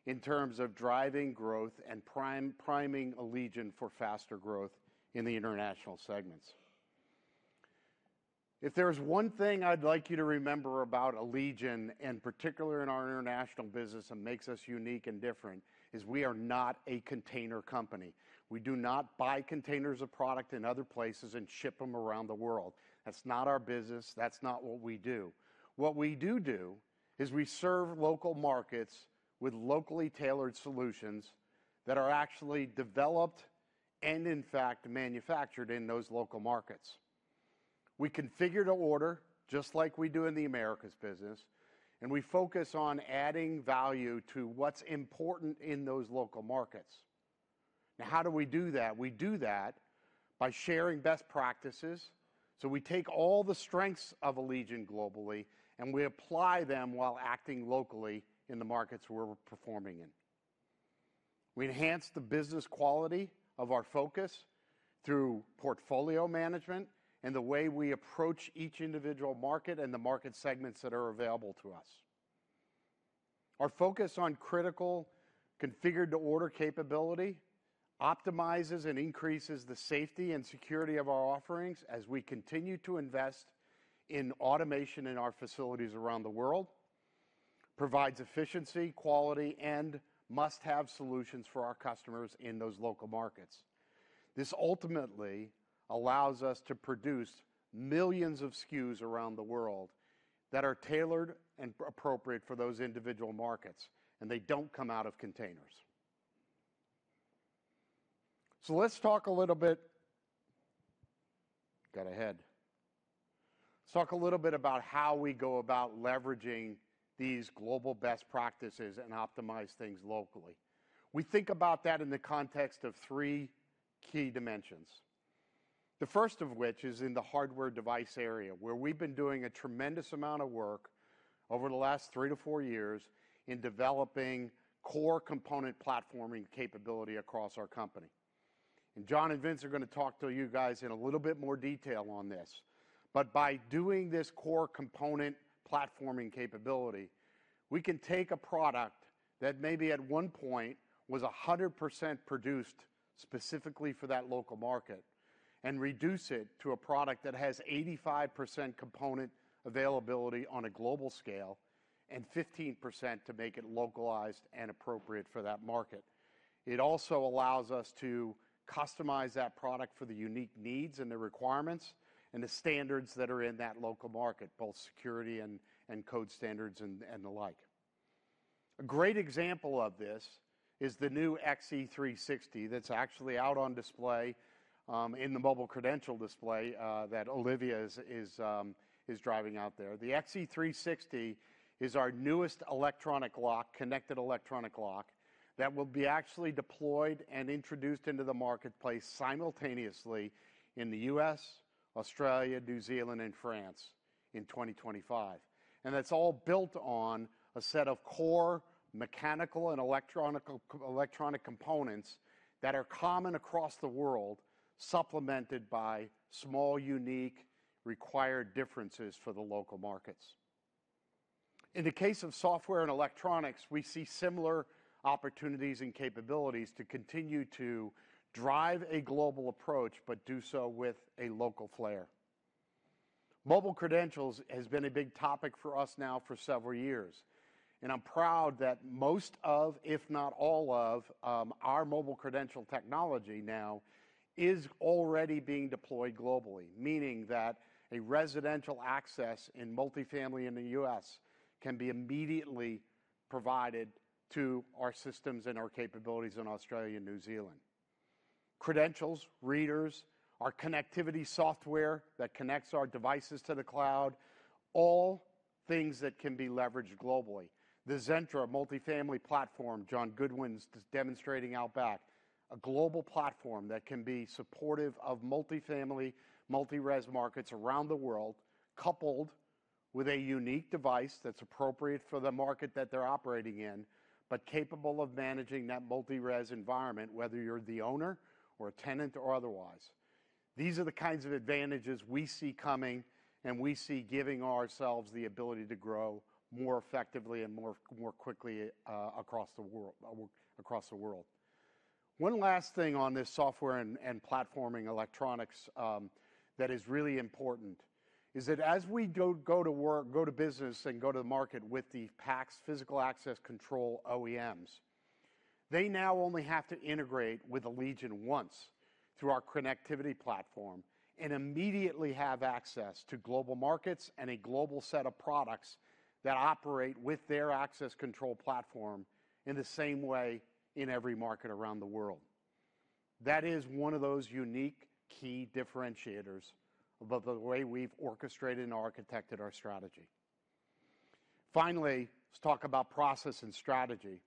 in terms of driving growth and priming Allegion for faster growth in the international segments. If there's one thing I'd like you to remember about Allegion, and particularly in our international business, and makes us unique and different, is we are not a container company. We do not buy containers of product in other places and ship them around the world. That's not our business. That's not what we do. What we do do is we serve local markets with locally tailored solutions that are actually developed and, in fact, manufactured in those local markets. We configure to order just like we do in the Americas business, and we focus on adding value to what's important in those local markets. Now, how do we do that? We do that by sharing best practices. We take all the strengths of Allegion globally, and we apply them while acting locally in the markets we're performing in. We enhance the business quality of our focus through portfolio management and the way we approach each individual market and the market segments that are available to us. Our focus on critical configured-to-order capability optimizes and increases the safety and security of our offerings as we continue to invest in automation in our facilities around the world, provides efficiency, quality, and must-have solutions for our customers in those local markets. This ultimately allows us to produce millions of SKUs around the world that are tailored and appropriate for those individual markets, and they do not come out of containers. Let's talk a little bit about how we go about leveraging these global best practices and optimize things locally. We think about that in the context of three key dimensions, the first of which is in the hardware device area where we have been doing a tremendous amount of work over the last three to four years in developing core component platforming capability across our company. John and Vince are going to talk to you guys in a little bit more detail on this. By doing this core component platforming capability, we can take a product that maybe at one point was 100% produced specifically for that local market and reduce it to a product that has 85% component availability on a global scale and 15% to make it localized and appropriate for that market. It also allows us to customize that product for the unique needs and the requirements and the standards that are in that local market, both security and code standards and the like. A great example of this is the new XE360 that's actually out on display in the mobile credential display that Olivia is driving out there. The XE360 is our newest electronic lock, connected electronic lock that will be actually deployed and introduced into the marketplace simultaneously in the U.S., Australia, New Zealand, and France in 2025. That is all built on a set of core mechanical and electronic components that are common across the world, supplemented by small, unique required differences for the local markets. In the case of software and electronics, we see similar opportunities and capabilities to continue to drive a global approach, but do so with a local flair. Mobile credentials has been a big topic for us now for several years. I'm proud that most of, if not all of, our mobile credential technology now is already being deployed globally, meaning that a residential access in multifamily in the U.S. can be immediately provided to our systems and our capabilities in Australia and New Zealand. Credentials, readers, our connectivity software that connects our devices to the cloud, all things that can be leveraged globally. The Zentra multifamily platform, John Goodwin's demonstrating out back, a global platform that can be supportive of multifamily, multi-res markets around the world, coupled with a unique device that's appropriate for the market that they're operating in, but capable of managing that multi-res environment, whether you're the owner or a tenant or otherwise. These are the kinds of advantages we see coming, and we see giving ourselves the ability to grow more effectively and more quickly across the world. One last thing on this software and platforming electronics that is really important is that as we go to work, go to business, and go to the market with the PACS physical access control OEMs, they now only have to integrate with Allegion once through our connectivity platform and immediately have access to global markets and a global set of products that operate with their access control platform in the same way in every market around the world. That is one of those unique key differentiators about the way we've orchestrated and architected our strategy. Finally, let's talk about process and strategy.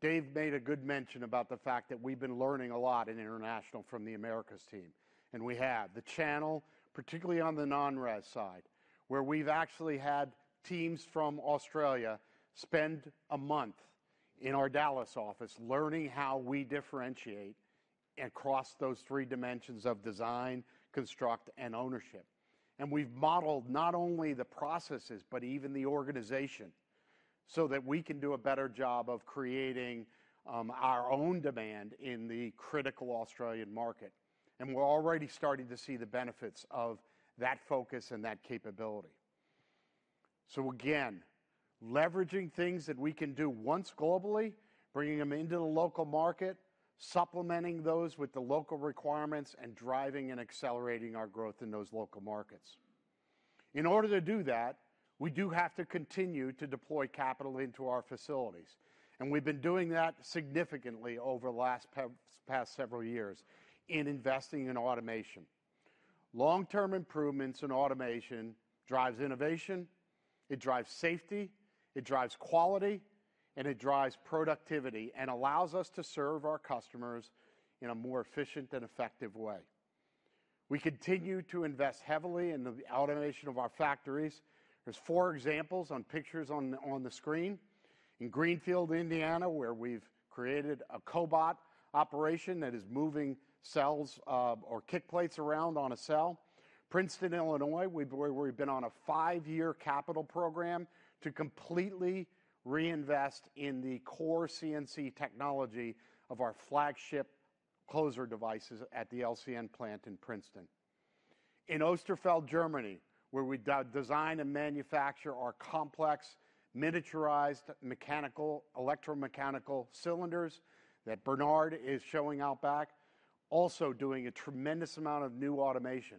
Dave made a good mention about the fact that we've been learning a lot in international from the Americas team, and we have the channel, particularly on the non-res side, where we've actually had teams from Australia spend a month in our Dallas office learning how we differentiate across those three dimensions of design, construct, and ownership. We have modeled not only the processes, but even the organization so that we can do a better job of creating our own demand in the critical Australian market. We are already starting to see the benefits of that focus and that capability. Again, leveraging things that we can do once globally, bringing them into the local market, supplementing those with the local requirements, and driving and accelerating our growth in those local markets. In order to do that, we do have to continue to deploy capital into our facilities. We have been doing that significantly over the last several years in investing in automation. Long-term improvements in automation drive innovation. It drives safety. It drives quality. It drives productivity and allows us to serve our customers in a more efficient and effective way. We continue to invest heavily in the automation of our factories. There are four examples in pictures on the screen: in Greenfield, Indiana, where we have created a cobot operation that is moving cells or kick plates around on a cell; and in Princeton, Illinois, where we have been on a five-year capital program to completely reinvest in the core CNC technology of our flagship closer devices at the LCN plant in Princeton. In Osterfeld, Germany, where we design and manufacture our complex miniaturized mechanical electromechanical cylinders that Bernard is showing out back, also doing a tremendous amount of new automation,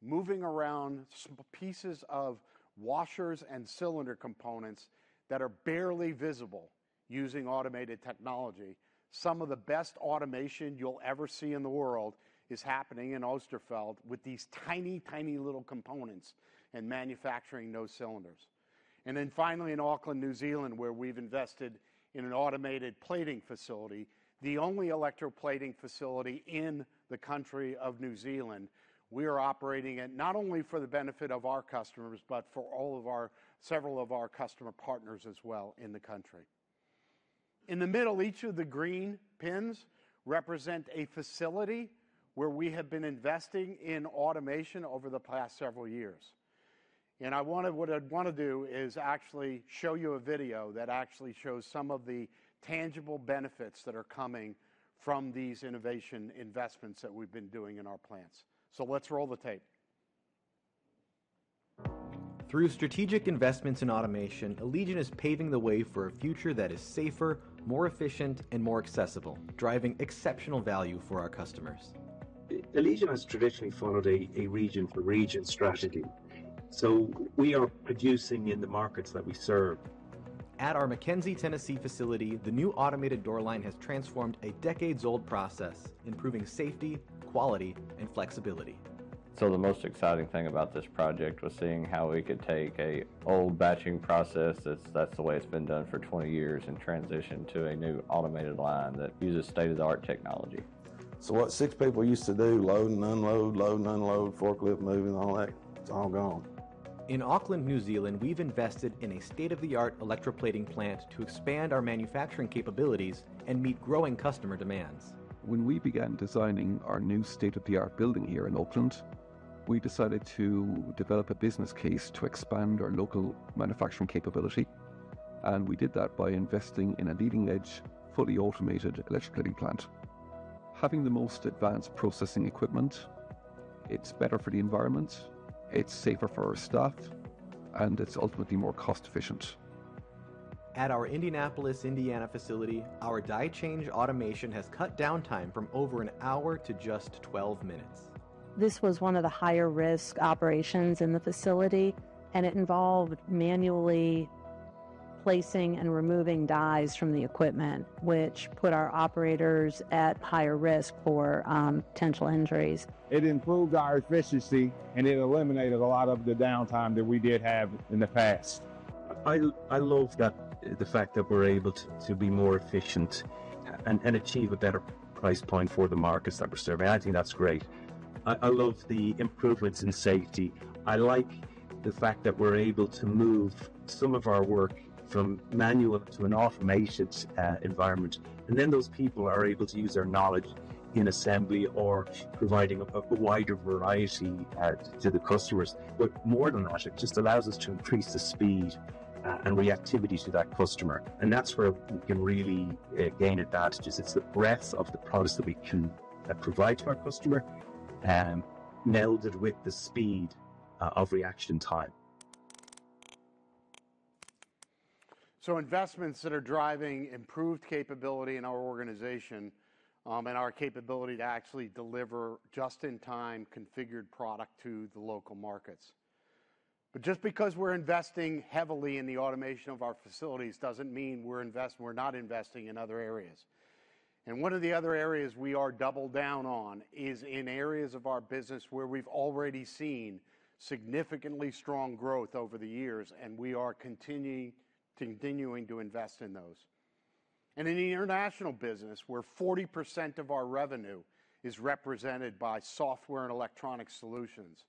moving around pieces of washers and cylinder components that are barely visible using automated technology. Some of the best automation you'll ever see in the world is happening in Osterfeld with these tiny, tiny little components and manufacturing those cylinders. Finally, in Auckland, New Zealand, where we've invested in an automated plating facility, the only electric plating facility in the country of New Zealand, we are operating at not only for the benefit of our customers, but for several of our customer partners as well in the country. In the middle, each of the green pins represent a facility where we have been investing in automation over the past several years. What I want to do is actually show you a video that actually shows some of the tangible benefits that are coming from these innovation investments that we've been doing in our plants. Let's roll the tape. Through strategic investments in automation, Allegion is paving the way for a future that is safer, more efficient, and more accessible, driving exceptional value for our customers. Allegion has traditionally followed a region-to-region strategy. We are producing in the markets that we serve. At our McKenzie, Tennessee facility, the new automated door line has transformed a decades-old process, improving safety, quality, and flexibility. The most exciting thing about this project was seeing how we could take an old batching process that's the way it's been done for 20 years and transition to a new automated line that uses state-of-the-art technology. What six people used to do, load and unload, load and unload, forklift moving, all that, it's all gone. In Auckland, New Zealand, we've invested in a state-of-the-art electric plating plant to expand our manufacturing capabilities and meet growing customer demands. When we began designing our new state-of-the-art building here in Auckland, we decided to develop a business case to expand our local manufacturing capability. We did that by investing in a leading-edge, fully automated electric plating plant. Having the most advanced processing equipment, it's better for the environment, it's safer for our staff, and it's ultimately more cost-efficient. At our Indianapolis, Indiana facility, our die change automation has cut downtime from over an hour to just 12 minutes. This was one of the higher-risk operations in the facility, and it involved manually placing and removing dies from the equipment, which put our operators at higher risk for potential injuries. It improved our efficiency, and it eliminated a lot of the downtime that we did have in the past. I love the fact that we're able to be more efficient and achieve a better price point for the markets that we're serving. I think that's great. I love the improvements in safety. I like the fact that we're able to move some of our work from manual to an automated environment. Those people are able to use their knowledge in assembly or providing a wider variety to the customers. More than that, it just allows us to increase the speed and reactivity to that customer. That's where we can really gain advantages. It's the breadth of the products that we can provide to our customer, melded with the speed of reaction time. Investments that are driving improved capability in our organization and our capability to actually deliver just-in-time configured product to the local markets. Just because we're investing heavily in the automation of our facilities does not mean we're not investing in other areas. One of the other areas we are double down on is in areas of our business where we've already seen significantly strong growth over the years, and we are continuing to invest in those. In the international business, where 40% of our revenue is represented by software and electronic solutions,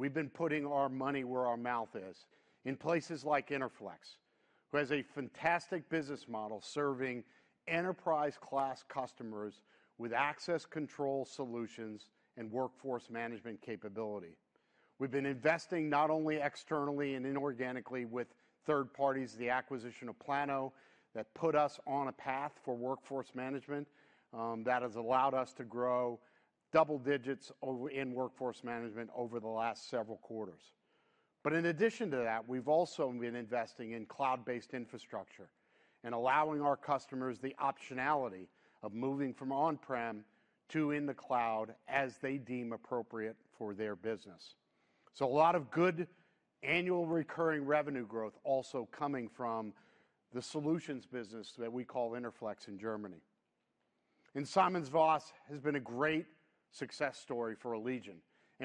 we've been putting our money where our mouth is in places like Interflex, who has a fantastic business model serving enterprise-class customers with access control solutions and workforce management capability. We've been investing not only externally and inorganically with third parties, the acquisition of plano that put us on a path for workforce management that has allowed us to grow double digits in workforce management over the last several quarters. In addition to that, we've also been investing in cloud-based infrastructure and allowing our customers the optionality of moving from on-prem to in the cloud as they deem appropriate for their business. A lot of good annual recurring revenue growth also coming from the solutions business that we call Interflex in Germany. SimonsVoss has been a great success story for Allegion.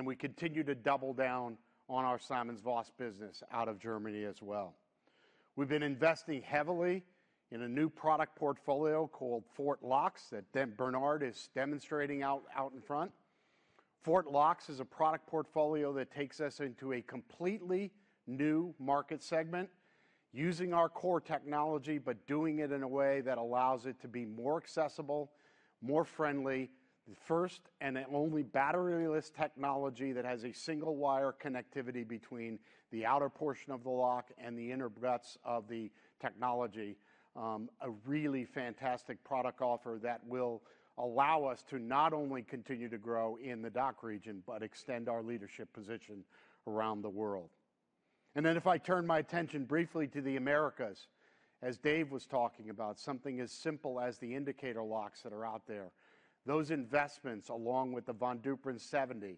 We continue to double down on our SimonsVoss business out of Germany as well. We've been investing heavily in a new product portfolio called FORTLOX that Bernhard is demonstrating out in front. FORTLOX is a product portfolio that takes us into a completely new market segment, using our core technology, but doing it in a way that allows it to be more accessible, more friendly, the first and only battery-less technology that has a single-wire connectivity between the outer portion of the lock and the inner guts of the technology. A really fantastic product offer that will allow us to not only continue to grow in the DACH region, but extend our leadership position around the world. If I turn my attention briefly to the Americas, as Dave was talking about, something as simple as the indicator locks that are out there, those investments, along with the Von Duprin 70,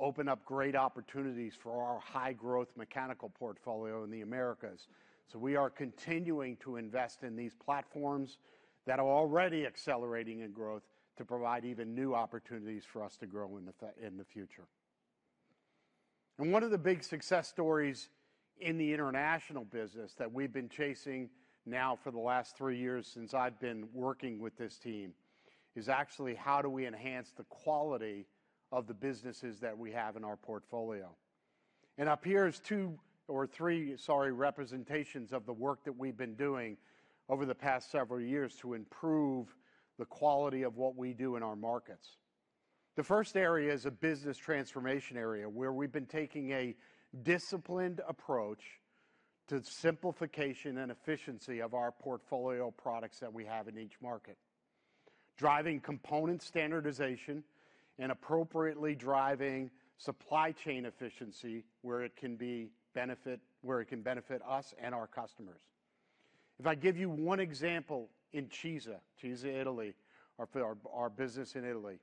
open up great opportunities for our high-growth mechanical portfolio in the Americas. We are continuing to invest in these platforms that are already accelerating in growth to provide even new opportunities for us to grow in the future. One of the big success stories in the international business that we've been chasing now for the last three years since I've been working with this team is actually how do we enhance the quality of the businesses that we have in our portfolio. Up here is two or three, sorry, representations of the work that we've been doing over the past several years to improve the quality of what we do in our markets. The first area is a business transformation area where we've been taking a disciplined approach to simplification and efficiency of our portfolio products that we have in each market, driving component standardization and appropriately driving supply chain efficiency where it can benefit us and our customers. If I give you one example in CISA, CISA, Italy, our business in Italy,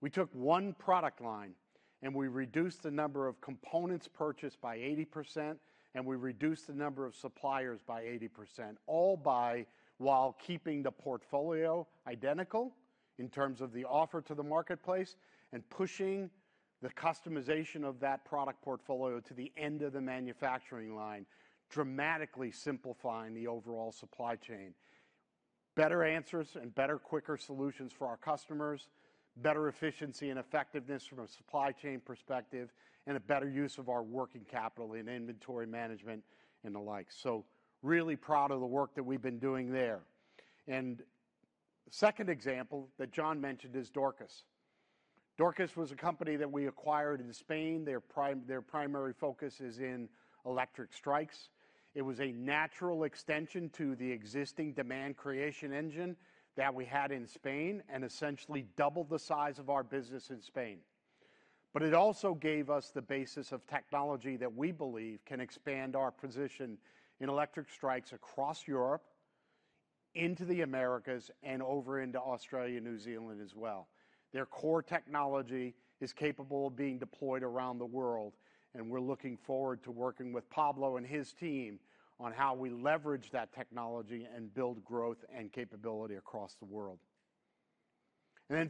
we took one product line and we reduced the number of components purchased by 80%, and we reduced the number of suppliers by 80%, all while keeping the portfolio identical in terms of the offer to the marketplace and pushing the customization of that product portfolio to the end of the manufacturing line, dramatically simplifying the overall supply chain. Better answers and better, quicker solutions for our customers, better efficiency and effectiveness from a supply chain perspective, and a better use of our working capital and inventory management and the like. I am really proud of the work that we've been doing there. A second example that John mentioned is Dorcas. Dorcas was a company that we acquired in Spain. Their primary focus is in electric strikes. It was a natural extension to the existing demand creation engine that we had in Spain and essentially doubled the size of our business in Spain. It also gave us the basis of technology that we believe can expand our position in electric strikes across Europe, into the Americas, and over into Australia and New Zealand as well. Their core technology is capable of being deployed around the world, and we're looking forward to working with Pablo and his team on how we leverage that technology and build growth and capability across the world.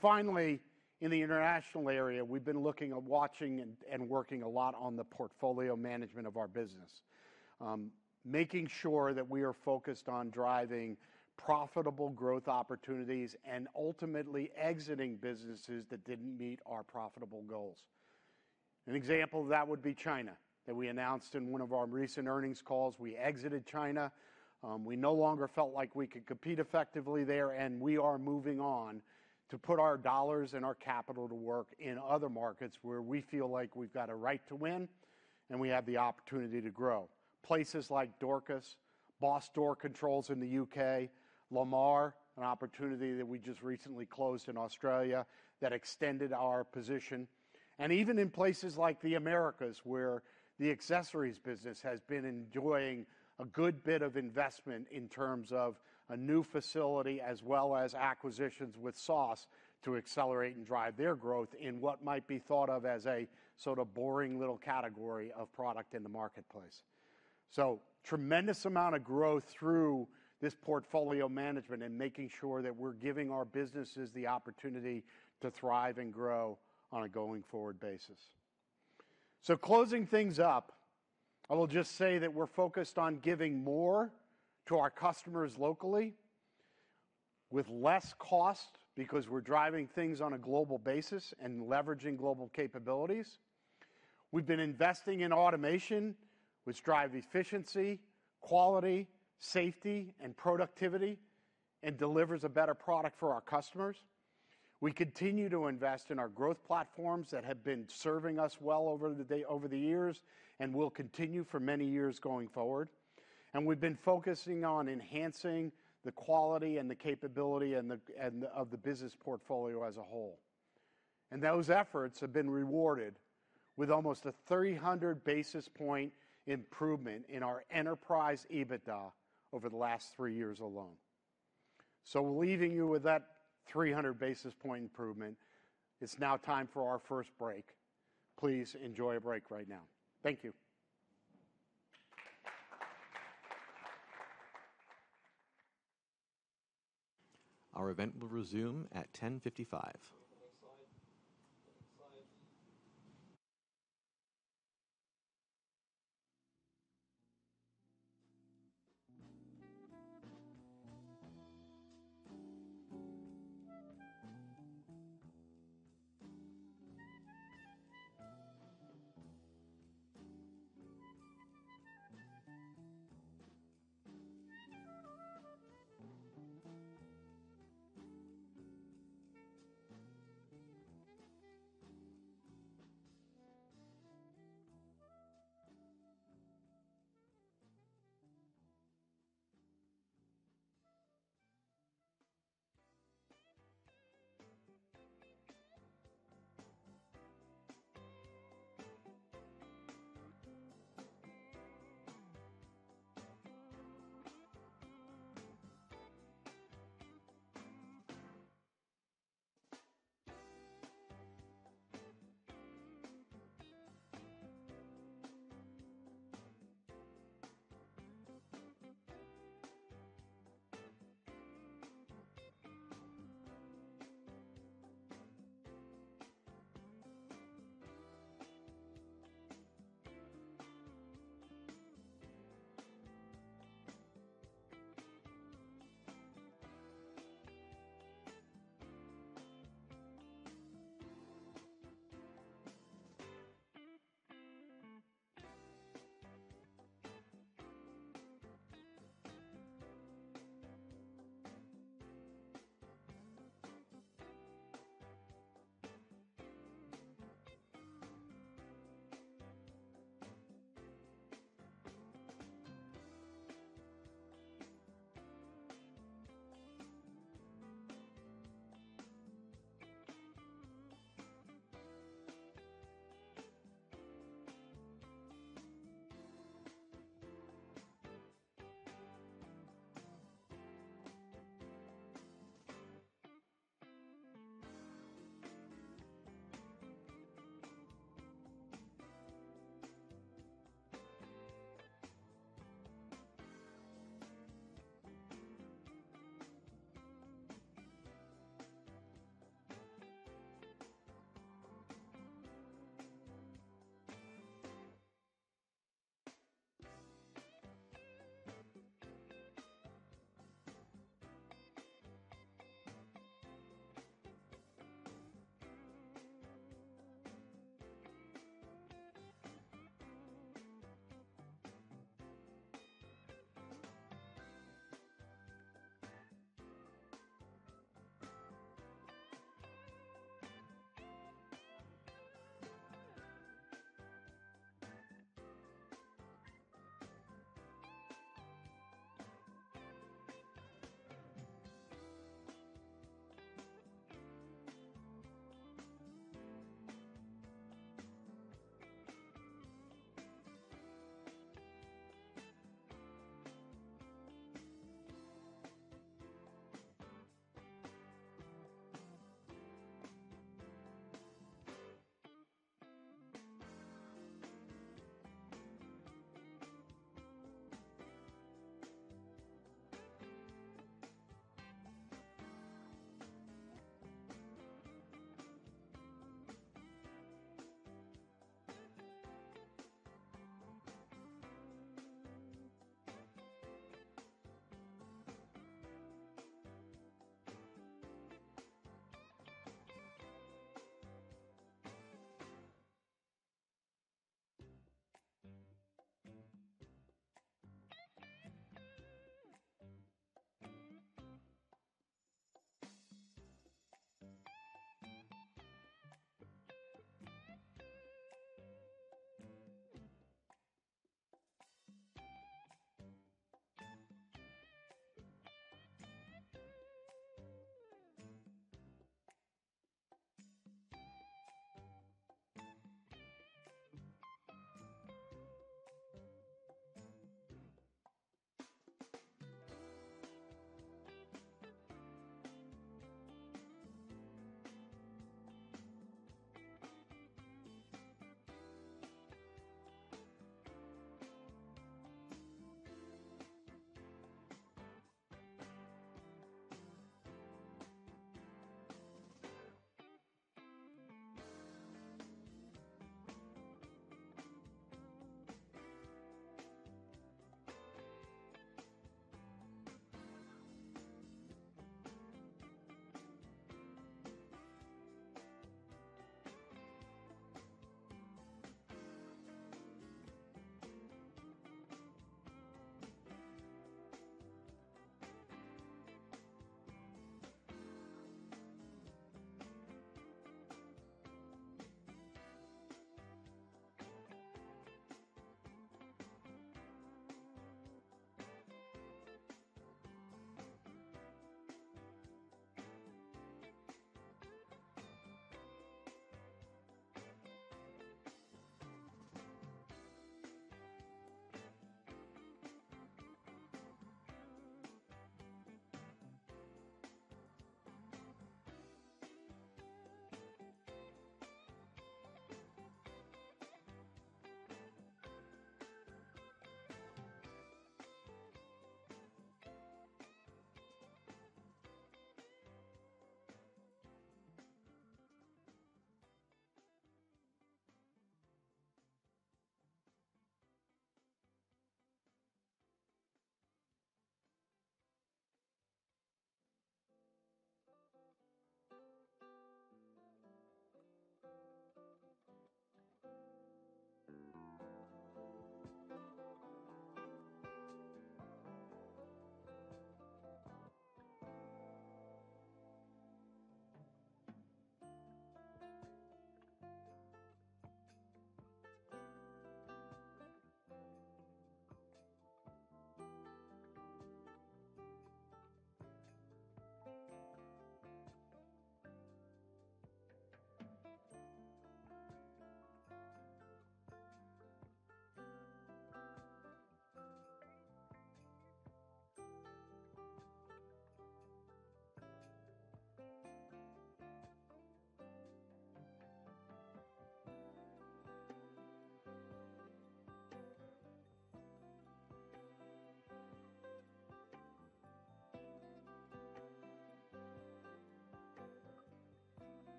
Finally, in the international area, we've been looking at watching and working a lot on the portfolio management of our business, making sure that we are focused on driving profitable growth opportunities and ultimately exiting businesses that didn't meet our profitable goals. An example of that would be China that we announced in one of our recent earnings calls. We exit ed China. We no longer felt like we could compete effectively there, and we are moving on to put our dollars and our capital to work in other markets where we feel like we've got a right to win and we have the opportunity to grow. Places like Dorcas, Boss Door Controls in the U.K., Leemar, an opportunity that we just recently closed in Australia that extended our position. Even in places like the Americas where the accessories business has been enjoying a good bit of investment in terms of a new facility as well as acquisitions with SOS to accelerate and drive their growth in what might be thought of as a sort of boring little category of product in the marketplace. A tremendous amount of growth through this portfolio management and making sure that we're giving our businesses the opportunity to thrive and grow on a going-forward basis. Closing things up, I will just say that we're focused on giving more to our customers locally with less cost because we're driving things on a global basis and leveraging global capabilities. We've been investing in automation, which drives efficiency, quality, safety, and productivity and delivers a better product for our customers. We continue to invest in our growth platforms that have been serving us well over the years and will continue for many years going forward. We've been focusing on enhancing the quality and the capability of the business portfolio as a whole. Those efforts have been rewarded with almost a 300 basis point improvement in our enterprise EBITDA over the last three years alone. Leaving you with that 300 basis point improvement, it's now time for our first break. Please enjoy a break right now. Thank you. Our event will resume at 10:55.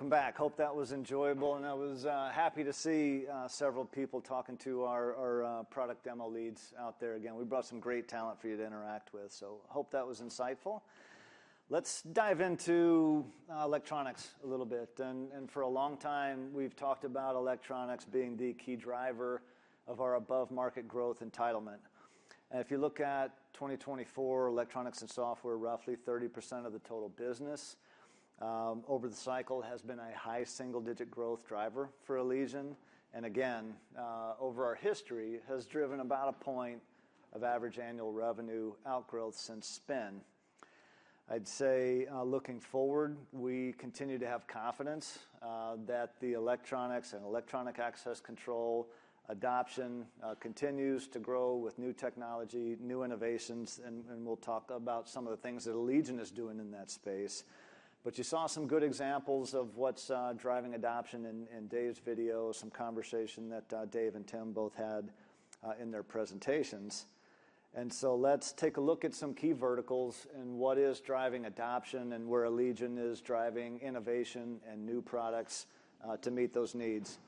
She don't play like I. Bet you don't know what's going on. She don't play like I do. Bet you don't know what's going on. She don't play like I do. Bet you don't know what's going on. She don't play like I do. Bet you don't know what's going on. All right, welcome back. Hope that was enjoyable. I was happy to see several people talking to our product demo leads out there again. We brought some great talent for you to interact with. Hope that was insightful. Let's dive into electronics a little bit. For a long time, we've talked about electronics being the key driver of our above-market growth entitlement. If you look at 2024, electronics and software, roughly 30% of the total business over the cycle, has been a high single-digit growth driver for Allegion. Over our history, it has driven about a point of average annual revenue outgrowth since spin. I'd say looking forward, we continue to have confidence that the electronics and electronic access control adoption continues to grow with new technology, new innovations. We'll talk about some of the things that Allegion is doing in that space. You saw some good examples of what's driving adoption in Dave's video, some conversation that Dave and Tim both had in their presentations. Let's take a look at some key verticals and what is driving adoption and where Allegion is driving innovation and new products to meet those needs.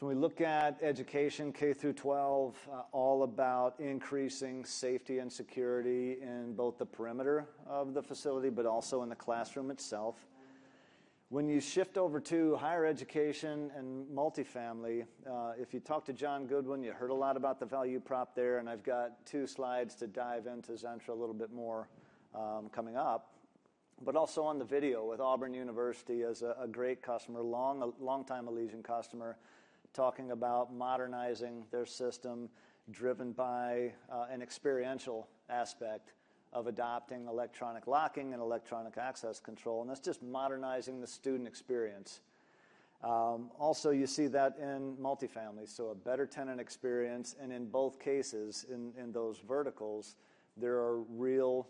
When we look at K-12, it is all about increasing safety and security in both the perimeter of the facility, but also in the classroom itself. When you shift over to higher education and multifamily, if you talk to John Goodwin, you heard a lot about the value prop there. I have two slides to dive into Zentra a little bit more coming up. Also on the video with Auburn University as a great customer, long-time Allegion customer, talking about modernizing their system driven by an experiential aspect of adopting electronic locking and electronic access control. That is just modernizing the student experience. You see that in multifamily, so a better tenant experience. In both cases, in those verticals, there are real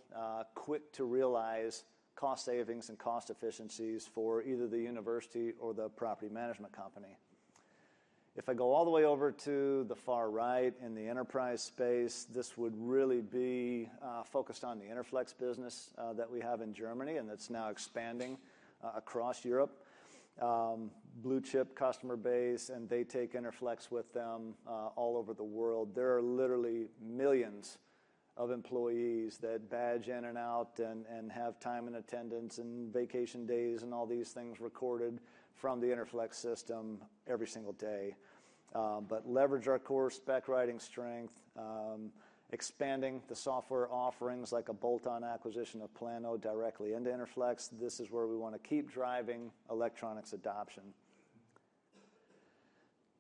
quick-to-realize cost savings and cost efficiencies for either the university or the property management company. If I go all the way over to the far right in the enterprise space, this would really be focused on the Interflex business that we have in Germany and that is now expanding across Europe. Blue chip customer base, and they take Interflex with them all over the world. There are literally millions of employees that badge in and out and have time and attendance and vacation days and all these things recorded from the Interflex system every single day. Leverage our core spec writing strength, expanding the software offerings like a bolt-on acquisition of plano directly into Interflex. This is where we want to keep driving electronics adoption.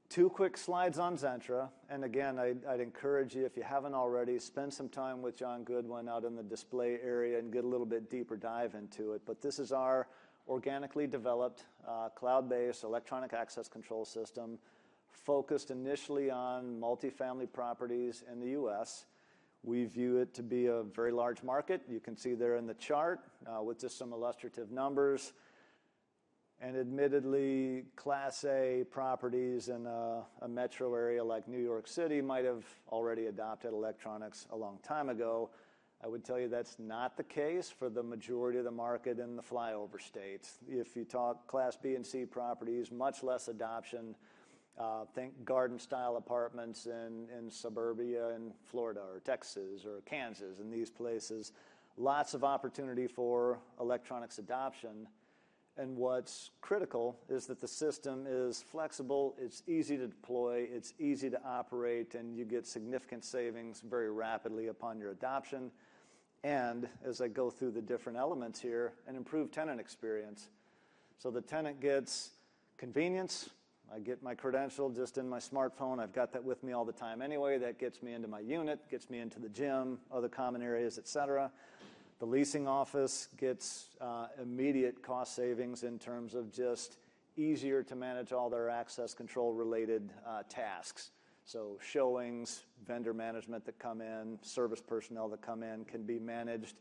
Two quick slides on Zentra. I encourage you, if you haven't already, spend some time with John Goodwin out in the display area and get a little bit deeper dive into it. This is our organically developed cloud-based electronic access control system focused initially on multifamily properties in the U.S. We view it to be a very large market. You can see there in the chart with just some illustrative numbers. Admittedly, Class A properties in a metro area like New York City might have already adopted electronics a long time ago. I would tell you that's not the case for the majority of the market in the flyover states. If you talk Class B and C properties, much less adoption. Think garden-style apartments in suburbia in Florida or Texas or Kansas. In these places, lots of opportunity for electronics adoption. What's critical is that the system is flexible, it's easy to deploy, it's easy to operate, and you get significant savings very rapidly upon your adoption. As I go through the different elements here, an improved tenant experience. The tenant gets convenience. I get my credential just in my smartphone. I've got that with me all the time anyway. That gets me into my unit, gets me into the gym, other common areas, et cetera. The leasing office gets immediate cost savings in terms of just easier to manage all their access control-related tasks. Showings, vendor management that come in, service personnel that come in can be managed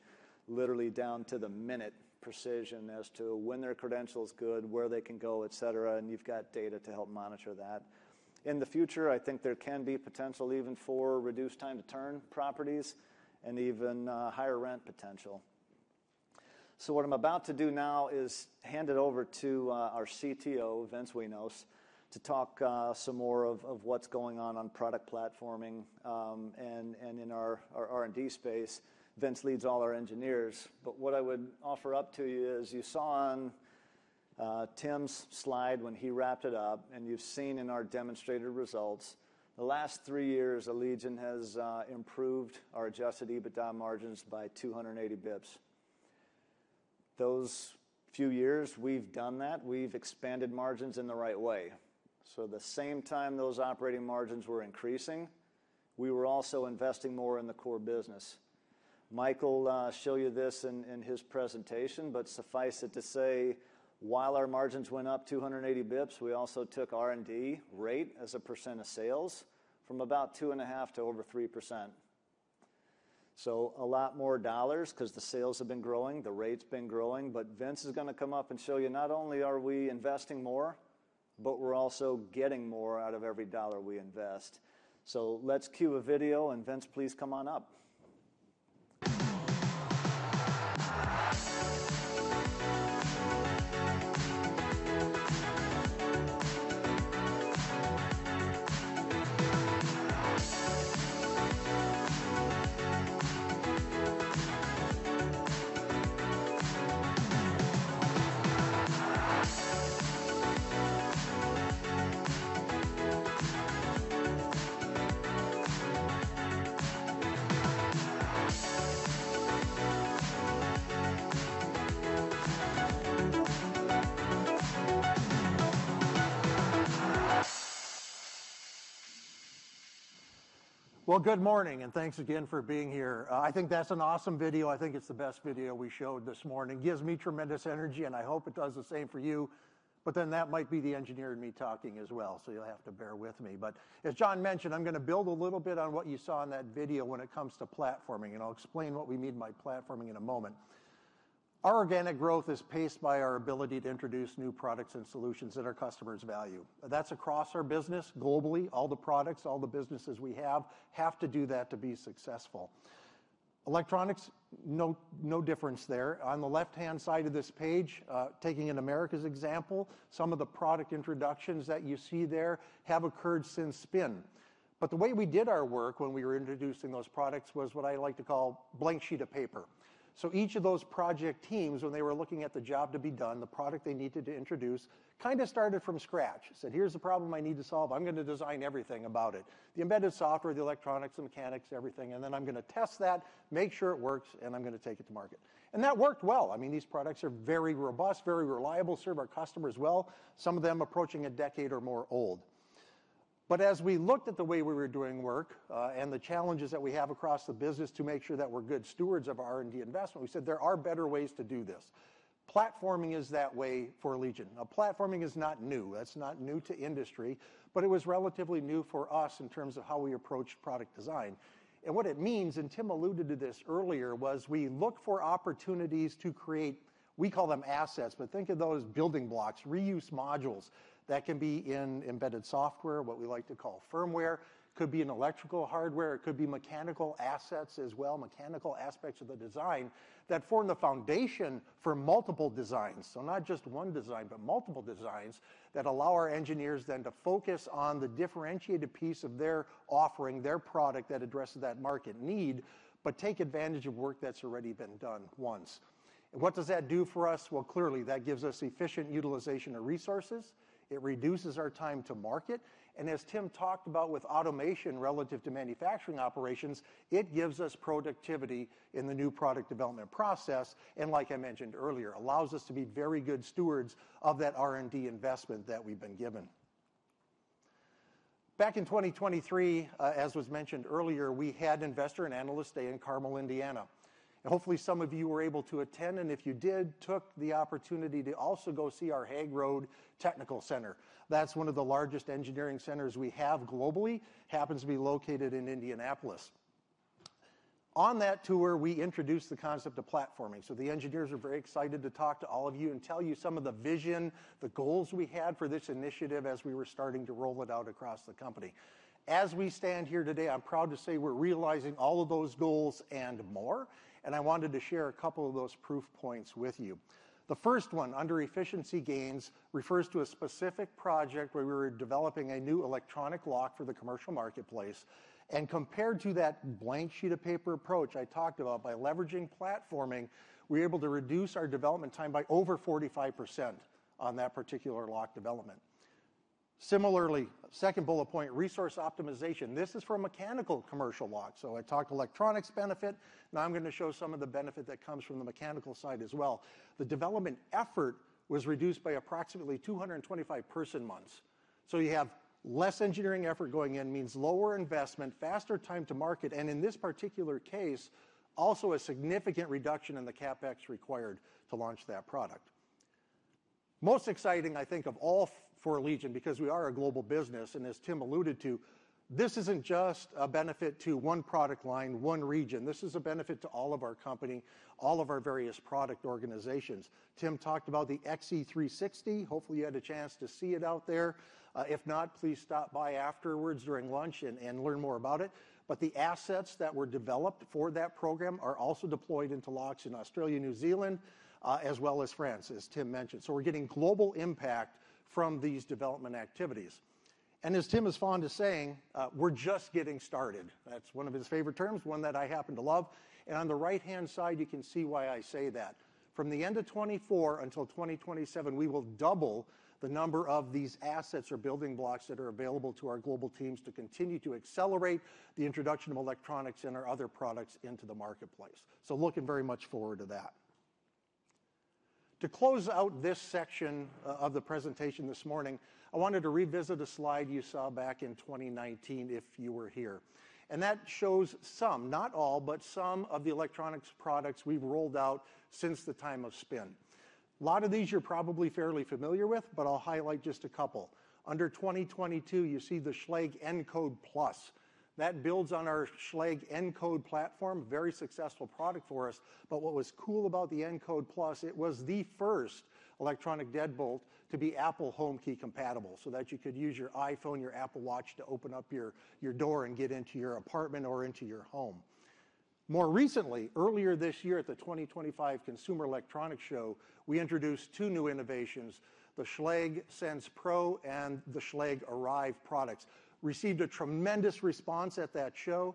literally down to the minute precision as to when their credential is good, where they can go, et cetera. You have data to help monitor that. In the future, I think there can be potential even for reduced time to turn properties and even higher rent potential. What I am about to do now is hand it over to our CTO, Vince Wenos, to talk some more of what is going on on product platforming and in our R&D space. Vince leads all our engineers. What I would offer up to you is you saw on Tim's slide when he wrapped it up, and you've seen in our demonstrated results, the last three years, Allegion has improved our adjusted EBITDA margins by 280 basis points. Those few years we've done that. We've expanded margins in the right way. At the same time those operating margins were increasing, we were also investing more in the core business. Michael will show you this in his presentation, but suffice it to say, while our margins went up 280 basis points, we also took R&D rate as a percent of sales from about 2.5% to over 3%. So a lot more dollars because the sales have been growing, the rate's been growing. Vince is going to come up and show you not only are we investing more, but we're also getting more out of every dollar we invest. Let's cue a video, and Vince, please come on up. Good morning, and thanks again for being here. I think that's an awesome video. I think it's the best video we showed this morning. It gives me tremendous energy, and I hope it does the same for you. That might be the engineer in me talking as well, so you'll have to bear with me. As John mentioned, I'm going to build a little bit on what you saw in that video when it comes to platforming, and I'll explain what we mean by platforming in a moment. Our organic growth is paced by our ability to introduce new products and solutions that our customers value. That's across our business globally. All the products, all the businesses we have have to do that to be successful. Electronics, no difference there. On the left-hand side of this page, taking in America's example, some of the product introductions that you see there have occurred since spin. The way we did our work when we were introducing those products was what I like to call a blank sheet of paper. Each of those project teams, when they were looking at the job to be done, the product they needed to introduce kind of started from scratch. Said, "Here's the problem I need to solve. I'm going to design everything about it: the embedded software, the electronics, the mechanics, everything. And then I'm going to test that, make sure it works, and I'm going to take it to market." That worked well. I mean, these products are very robust, very reliable, serve our customers well. Some of them approaching a decade or more old. As we looked at the way we were doing work and the challenges that we have across the business to make sure that we're good stewards of R&D investment, we said there are better ways to do this. Platforming is that way for Allegion. Platforming is not new. That's not new to industry, but it was relatively new for us in terms of how we approached product design. What it means, and Tim alluded to this earlier, was we look for opportunities to create what we call them assets. Think of those building blocks, reuse modules that can be in embedded software, what we like to call firmware. It could be in electrical hardware. It could be mechanical assets as well, mechanical aspects of the design that form the foundation for multiple designs. Not just one design, but multiple designs that allow our engineers then to focus on the differentiated piece of their offering, their product that addresses that market need, but take advantage of work that's already been done once. What does that do for us? Clearly, that gives us efficient utilization of resources. It reduces our time to market. As Tim talked about with automation relative to manufacturing operations, it gives us productivity in the new product development process. Like I mentioned earlier, it allows us to be very good stewards of that R&D investment that we've been given. Back in 2023, as was mentioned earlier, we had investor and analyst day in Carmel, Indiana. Hopefully, some of you were able to attend. If you took the opportunity to also go see our Hague Road Technical Center, that's one of the largest engineering centers we have globally, happens to be located in Indianapolis. On that tour, we introduced the concept of platforming. The engineers are very excited to talk to all of you and tell you some of the vision, the goals we had for this initiative as we were starting to roll it out across the company. As we stand here today, I'm proud to say we're realizing all of those goals and more. I wanted to share a couple of those proof points with you. The first one, under efficiency gains, refers to a specific project where we were developing a new electronic lock for the commercial marketplace. Compared to that blank sheet of paper approach I talked about, by leveraging platforming, we were able to reduce our development time by over 45% on that particular lock development. Similarly, second bullet point, resource optimization. This is for mechanical commercial lock. I talked electronics benefit. Now I'm going to show some of the benefit that comes from the mechanical side as well. The development effort was reduced by approximately 225 person months. You have less engineering effort going in, means lower investment, faster time to market, and in this particular case, also a significant reduction in the CapEx required to launch that product. Most exciting, I think, of all for Allegion, because we are a global business. As Tim alluded to, this isn't just a benefit to one product line, one region. This is a benefit to all of our company, all of our various product organizations. Tim talked about the XE360. Hopefully, you had a chance to see it out there. If not, please stop by afterwards during lunch and learn more about it. The assets that were developed for that program are also deployed into locks in Australia, New Zealand, as well as France, as Tim mentioned. We are getting global impact from these development activities. As Tim is fond of saying, we are just getting started. That is one of his favorite terms, one that I happen to love. On the right-hand side, you can see why I say that. From the end of 2024 until 2027, we will double the number of these assets or building blocks that are available to our global teams to continue to accelerate the introduction of electronics and our other products into the marketplace. Looking very much forward to that. To close out this section of the presentation this morning, I wanted to revisit a slide you saw back in 2019 if you were here. That shows some, not all, but some of the electronics products we've rolled out since the time of spin. A lot of these you're probably fairly familiar with, but I'll highlight just a couple. Under 2022, you see the Schlage Encode Plus. That builds on our Schlage Encode platform, very successful product for us. What was cool about the Encode Plus, it was the first electronic deadbolt to be Apple HomeKey compatible so that you could use your iPhone, your Apple Watch to open up your door and get into your apartment or into your home. More recently, earlier this year at the 2025 Consumer Electronics Show, we introduced two new innovations, the Schlage Sense Pro and the Schlage Arrive products. Received a tremendous response at that show,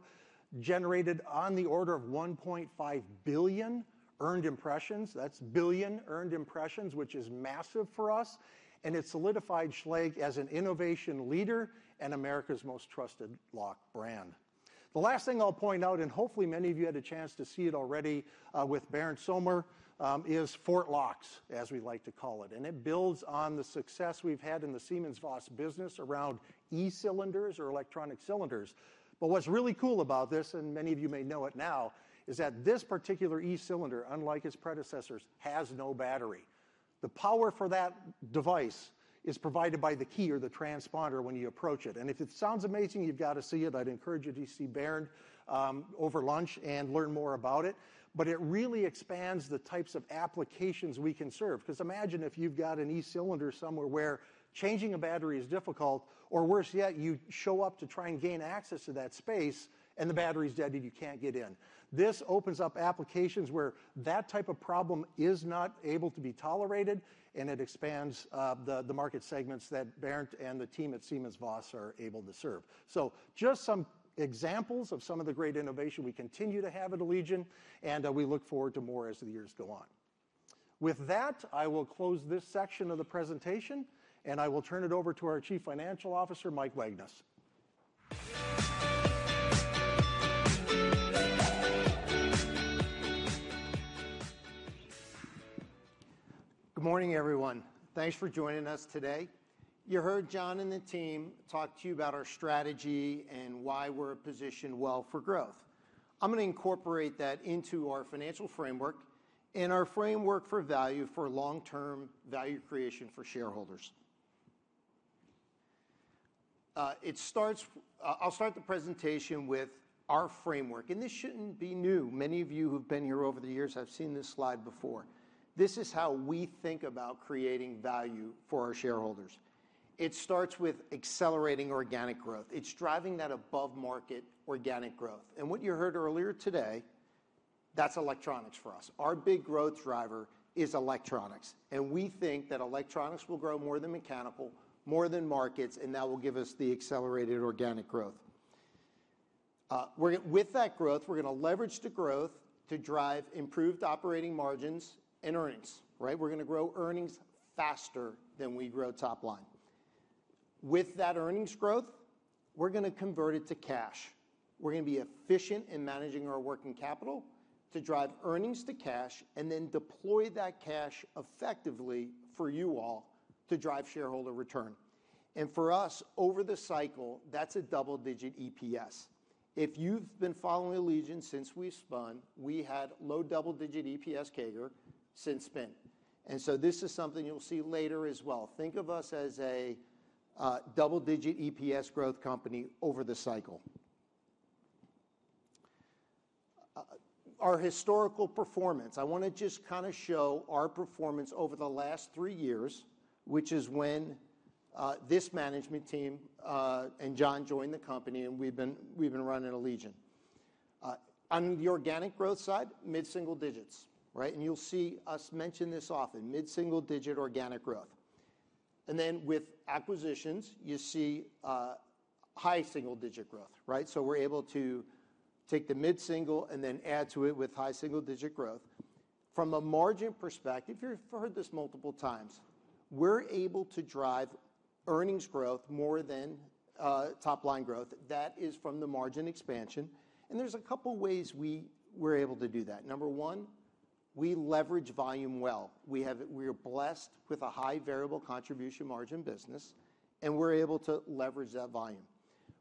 generated on the order of 1.5 billion earned impressions. That's billion earned impressions, which is massive for us. It solidified Schlage as an innovation leader and America's most trusted lock brand. The last thing I'll point out, and hopefully many of you had a chance to see it already with Bern Sommer, is FORTLOX, as we like to call it. It builds on the success we've had in the SimonsVoss business around e-cylinders or electronic cylinders. What's really cool about this, and many of you may know it now, is that this particular e-cylinder, unlike its predecessors, has no battery. The power for that device is provided by the key or the transponder when you approach it. If it sounds amazing, you've got to see it. I'd encourage you to see Bern over lunch and learn more about it. It really expands the types of applications we can serve. Imagine if you've got an e-cylinder somewhere where changing a battery is difficult, or worse yet, you show up to try and gain access to that space, and the battery's dead and you can't get in. This opens up applications where that type of problem is not able to be tolerated, and it expands the market segments that Bern and the team at SimonsVoss are able to serve. Just some examples of some of the great innovation we continue to have at Allegion, and we look forward to more as the years go on. With that, I will close this section of the presentation, and I will turn it over to our Chief Financial Officer, Mike Wagnes. Good morning, everyone. Thanks for joining us today. You heard John and the team talk to you about our strategy and why we're positioned well for growth. I'm going to incorporate that into our financial framework and our framework for value for long-term value creation for shareholders. I'll start the presentation with our framework, and this shouldn't be new. Many of you who've been here over the years have seen this slide before. This is how we think about creating value for our shareholders. It starts with accelerating organic growth. It's driving that above-market organic growth. What you heard earlier today, that's electronics for us. Our big growth driver is electronics. We think that electronics will grow more than mechanical, more than markets, and that will give us the accelerated organic growth. With that growth, we're going to leverage the growth to drive improved operating margins and earnings. We're going to grow earnings faster than we grow top line. With that earnings growth, we're going to convert it to cash. We're going to be efficient in managing our working capital to drive earnings to cash and then deploy that cash effectively for you all to drive shareholder return. For us, over the cycle, that's a double-digit EPS. If you've been following Allegion since we spun, we had low double-digit EPS CAGR since spin. This is something you'll see later as well. Think of us as a double-digit EPS growth company over the cycle. Our historical performance, I want to just kind of show our performance over the last three years, which is when this management team and John joined the company, and we've been running Allegion. On the organic growth side, mid-single digits. You'll see us mention this often, mid-single digit organic growth. With acquisitions, you see high single-digit growth. We're able to take the mid-single and then add to it with high single-digit growth. From a margin perspective, you've heard this multiple times, we're able to drive earnings growth more than top-line growth. That is from the margin expansion. There are a couple of ways we were able to do that. Number one, we leverage volume well. We are blessed with a high variable contribution margin business, and we're able to leverage that volume.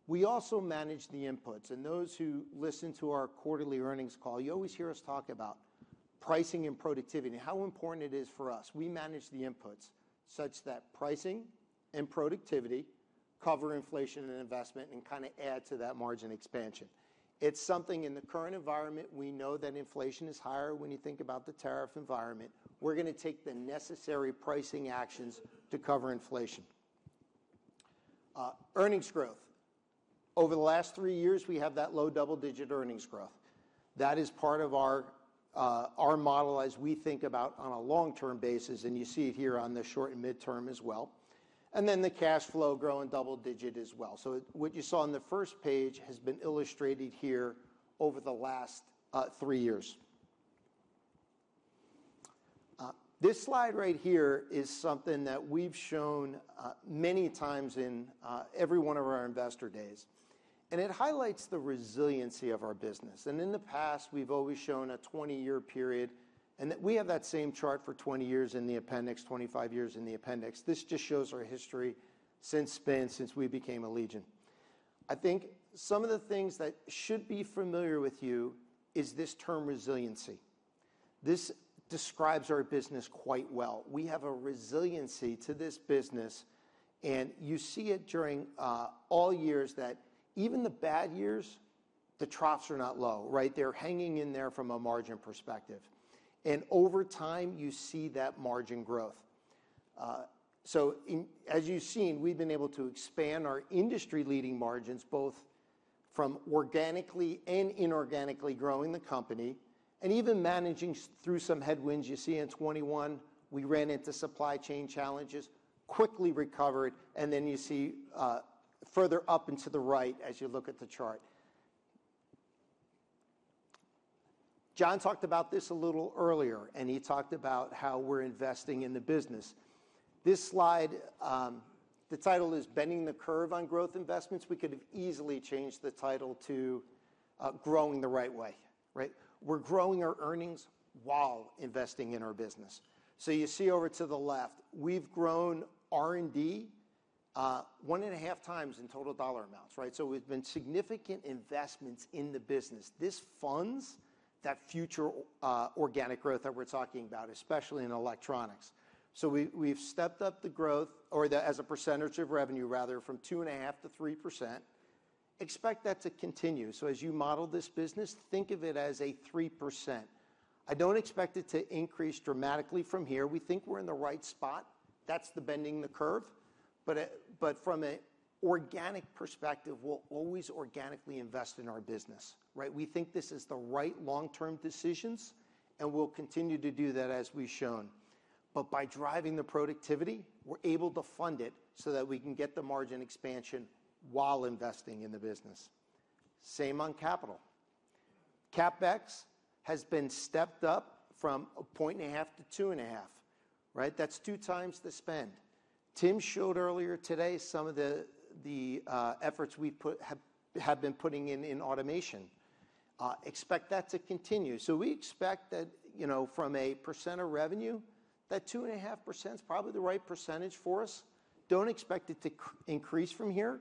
We also manage the inputs. Those who listen to our quarterly earnings call, you always hear us talk about pricing and productivity, how important it is for us. We manage the inputs such that pricing and productivity cover inflation and investment and kind of add to that margin expansion. It is something in the current environment. We know that inflation is higher when you think about the tariff environment. We are going to take the necessary pricing actions to cover inflation. Earnings growth. Over the last three years, we have that low double-digit earnings growth. That is part of our model as we think about on a long-term basis. You see it here on the short and mid-term as well. The cash flow growing double-digit as well. What you saw on the first page has been illustrated here over the last three years. This slide right here is something that we've shown many times in every one of our investor days. It highlights the resiliency of our business. In the past, we've always shown a 20-year period and we have that same chart for 20 years in the appendix, 25 years in the appendix. This just shows our history since spin, since we became Allegion. I think some of the things that should be familiar with you is this term resiliency. This describes our business quite well. We have a resiliency to this business. You see it during all years that even the bad years, the troughs are not low. They're hanging in there from a margin perspective. Over time, you see that margin growth. As you've seen, we've been able to expand our industry-leading margins, both from organically and inorganically growing the company and even managing through some headwinds. You see in 2021, we ran into supply chain challenges, quickly recovered, and then you see further up and to the right as you look at the chart. John talked about this a little earlier, and he talked about how we're investing in the business. This slide, the title is Bending the Curve on Growth Investments. We could have easily changed the title to Growing the Right Way. We're growing our earnings while investing in our business. You see over to the left, we've grown R&D one and a half times in total dollar amounts. We've been significant investments in the business. This funds that future organic growth that we're talking about, especially in electronics. We've stepped up the growth, or as a percentage of revenue rather, from 2.5% to 3%. Expect that to continue. As you model this business, think of it as a 3%. I don't expect it to increase dramatically from here. We think we're in the right spot. That's the bending the curve. From an organic perspective, we'll always organically invest in our business. We think this is the right long-term decisions, and we'll continue to do that as we've shown. By driving the productivity, we're able to fund it so that we can get the margin expansion while investing in the business. Same on capital. CapEx has been stepped up from 1.5 points-2.5 points. That's 2x the spend. Tim showed earlier today some of the efforts we have been putting in automation. Expect that to continue. We expect that from a percent of revenue, that 2.5% is probably the right percentage for us. Do not expect it to increase from here,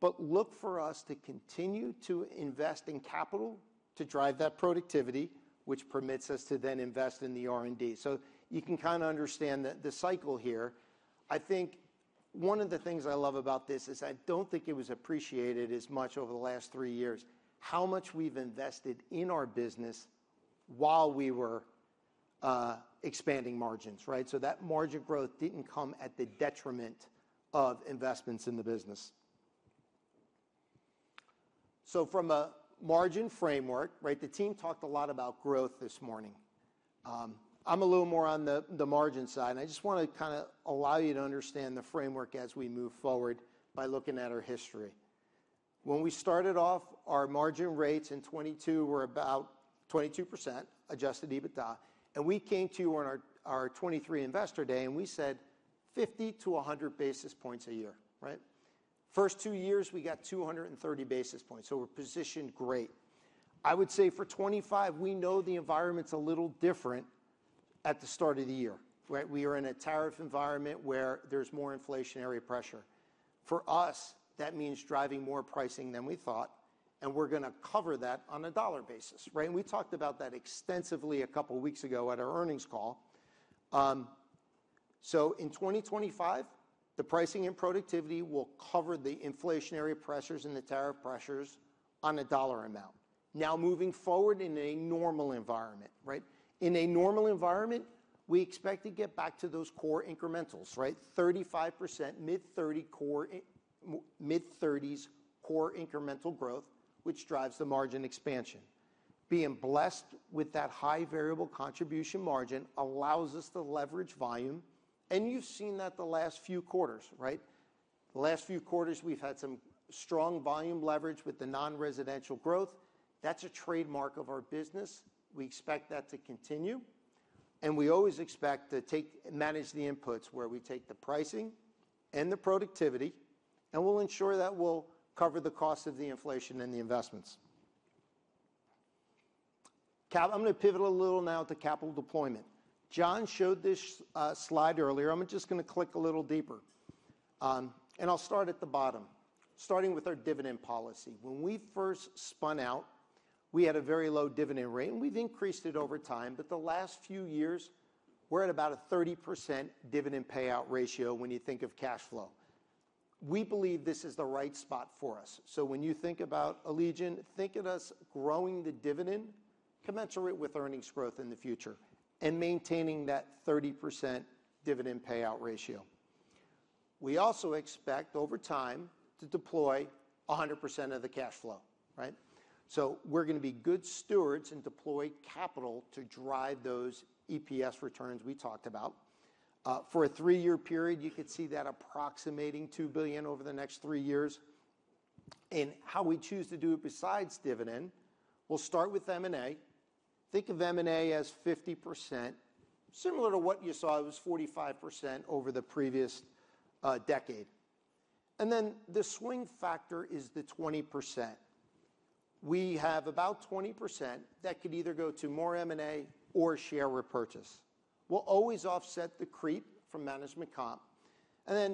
but look for us to continue to invest in capital to drive that productivity, which permits us to then invest in the R&D. You can kind of understand the cycle here. I think one of the things I love about this is I do not think it was appreciated as much over the last three years, how much we have invested in our business while we were expanding margins. That margin growth did not come at the detriment of investments in the business. From a margin framework, the team talked a lot about growth this morning. I am a little more on the margin side. I just want to kind of allow you to understand the framework as we move forward by looking at our history. When we started off, our margin rates in 2022 were about 22%, adjusted EBITDA. We came to you on our 2023 investor day, and we said 50 basis points-100 basis points a year. First two years, we got 230 basis points. We are positioned great. I would say for 2025, we know the environment is a little different at the start of the year. We are in a tariff environment where there is more inflationary pressure. For us, that means driving more pricing than we thought. We are going to cover that on a dollar basis. We talked about that extensively a couple of weeks ago at our earnings call. In 2025, the pricing and productivity will cover the inflationary pressures and the tariff pressures on a dollar amount. Now moving forward in a normal environment. In a normal environment, we expect to get back to those core incrementals, 35%, mid-30%s core incremental growth, which drives the margin expansion. Being blessed with that high variable contribution margin allows us to leverage volume. You have seen that the last few quarters. Last few quarters, we have had some strong volume leverage with the non-residential growth. That is a trademark of our business. We expect that to continue. We always expect to manage the inputs where we take the pricing and the productivity, and we will ensure that we will cover the cost of the inflation and the investments. I am going to pivot a little now to capital deployment. John showed this slide earlier. I am just going to click a little deeper. I will start at the bottom, starting with our dividend policy. When we first spun out, we had a very low dividend rate. We've increased it over time. The last few years, we're at about a 30% dividend payout ratio when you think of cash flow. We believe this is the right spot for us. When you think about Allegion, think of us growing the dividend, commensurate with earnings growth in the future, and maintaining that 30% dividend payout ratio. We also expect over time to deploy 100% of the cash flow. We're going to be good stewards and deploy capital to drive those EPS returns we talked about. For a three-year period, you could see that approximating $2 billion over the next three years. How we choose to do it besides dividend, we'll start with M&A. Think of M&A as 50%, similar to what you saw was 45% over the previous decade. The swing factor is the 20%. We have about 20% that could either go to more M&A or share repurchase. We'll always offset the creep from management comp.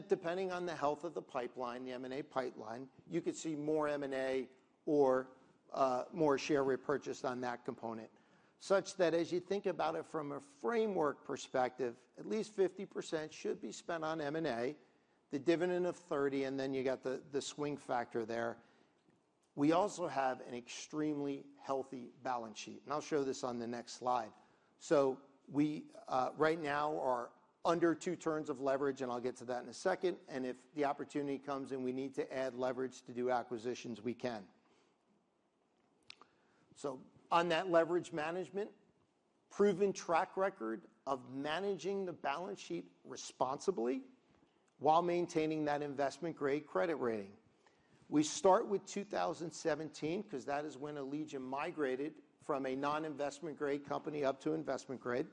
Depending on the health of the pipeline, the M&A pipeline, you could see more M&A or more share repurchased on that component. Such that as you think about it from a framework perspective, at least 50% should be spent on M&A, the dividend of 30, and then you got the swing factor there. We also have an extremely healthy balance sheet. I'll show this on the next slide. Right now, we are under two turns of leverage, and I'll get to that in a second. If the opportunity comes and we need to add leverage to do acquisitions, we can. On that leverage management, proven track record of managing the balance sheet responsibly while maintaining that investment-grade credit rating. We start with 2017 because that is when Allegion migrated from a non-investment-grade company up to investment-grade.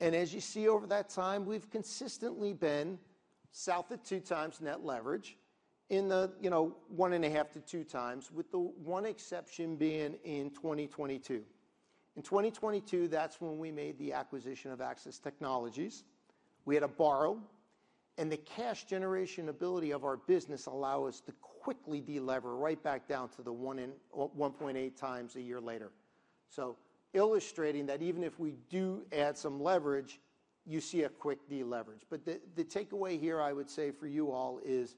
As you see over that time, we've consistently been south of two times net leverage in the one and a half to two times, with the one exception being in 2022. In 2022, that's when we made the acquisition of Access Technologies. We had to borrow. The cash generation ability of our business allowed us to quickly deleverage right back down to the 1.8x a year later. Illustrating that even if we do add some leverage, you see a quick deleverage. The takeaway here, I would say for you all, is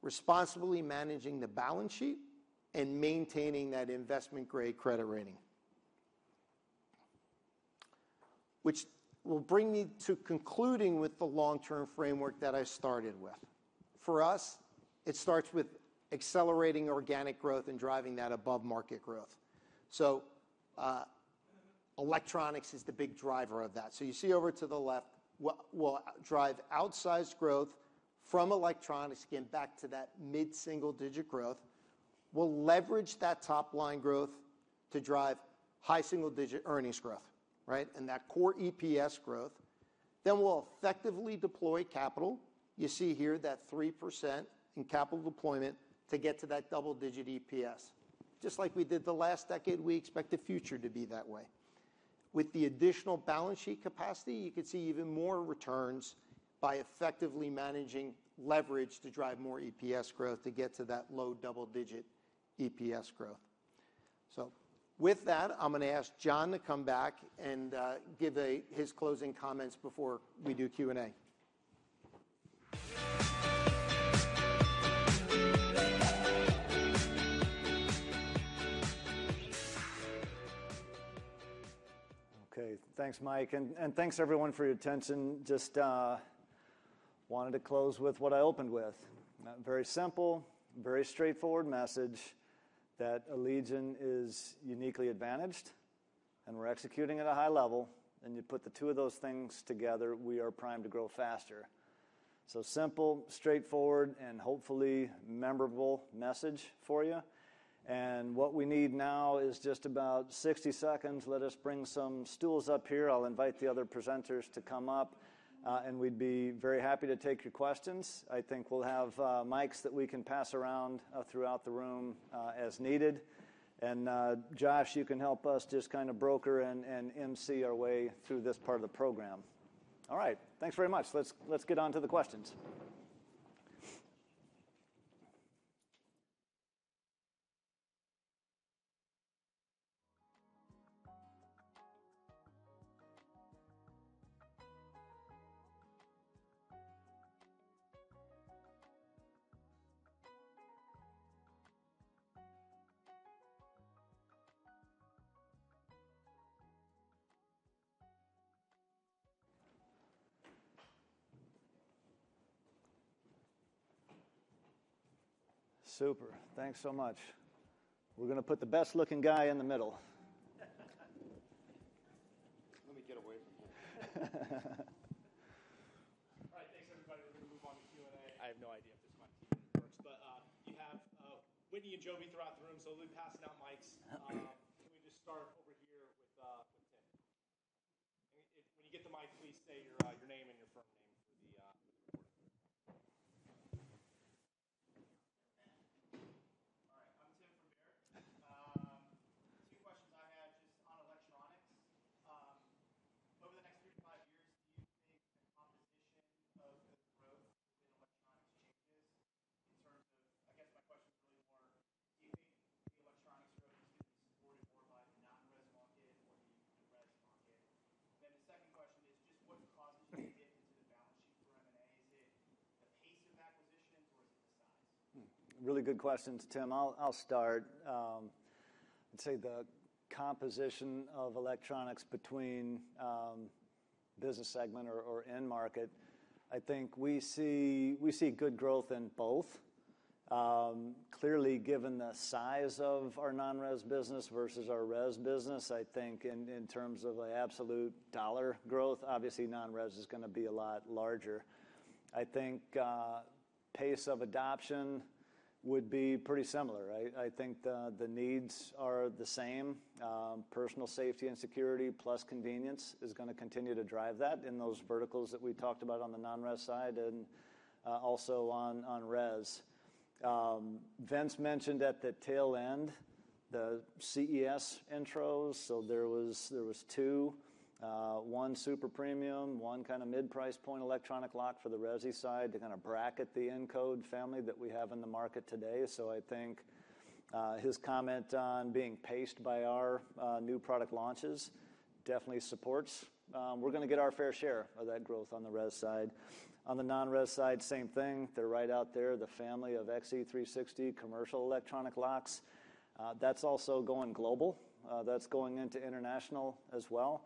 responsibly managing the balance sheet and maintaining that investment-grade credit rating. Which will bring me to concluding with the long-term framework that I started with. For us, it starts with accelerating organic growth and driving that above market growth. Electronics is the big driver of that. You see over to the left, we'll drive outsized growth from electronics again back to that mid-single digit growth. We'll leverage that top-line growth to drive high single-digit earnings growth and that core EPS growth. We'll effectively deploy capital. You see here that 3% in capital deployment to get to that double-digit EPS. Just like we did the last decade, we expect the future to be that way. With the additional balance sheet capacity, you could see even more returns by effectively managing leverage to drive more EPS growth to get to that low double-digit EPS growth. With that, I'm going to ask John to come back and give his closing comments before we do Q&A. Okay. Thanks, Mike. Thanks, everyone, for your attention. Just wanted to close with what I opened with. Very simple, very straightforward message that Allegion is uniquely advantaged and we're executing at a high level. You put the two of those things together, we are primed to grow faster. Simple, straightforward, and hopefully memorable message for you. What we need now is just about 60 seconds. Let us bring some stools up here. I'll invite the other presenters to come up. We'd be very happy to take your questions. I think we'll have mics that we can pass around throughout the room as needed. Josh, you can help us just kind of broker and emcee our way through this part of the program. All right. Thanks very much. Let's get on to the questions. Super. Thanks so much. We're going to put the best looking guy in the middle. Let me get away from here. All right. Thanks, everybody. We're going to move on to Q&A. I have no idea if this mic's even working. But you have Whitney and Joby throughout the room, so they'll be passing out mics. Can we just start over here with Tim? When you get the mic, please say your name and your firm name for the recording. All right. I'm Tim from Baird. Two questions I had just on electronics. Over the next three to five years, do you think the composition of the growth within electronics changes in terms of I guess my question is really more, do you think the electronics growth is going to be supported more by the non-res market or the res market? The second question is just what causes you to dip into the balance sheet for M&A? Is it the pace of acquisitions or is it the size? Really good questions, Tim. I'll start. I'd say the composition of electronics between business segment or end market, I think we see good growth in both. Clearly, given the size of our non-res business versus our res business, I think in terms of the absolute dollar growth, obviously non-res is going to be a lot larger. I think pace of adoption would be pretty similar. I think the needs are the same. Personal safety and security plus convenience is going to continue to drive that in those verticals that we talked about on the non-res side and also on res. Vince mentioned at the tail end, the CES intros. There was two, one super premium, one kind of mid-price point electronic lock for the resi side to kind of bracket the Encode family that we have in the market today. I think his comment on being paced by our new product launches definitely supports. We're going to get our fair share of that growth on the res side. On the non-res side, same thing. They're right out there, the family of XE360 commercial electronic locks. That's also going global. That's going into international as well.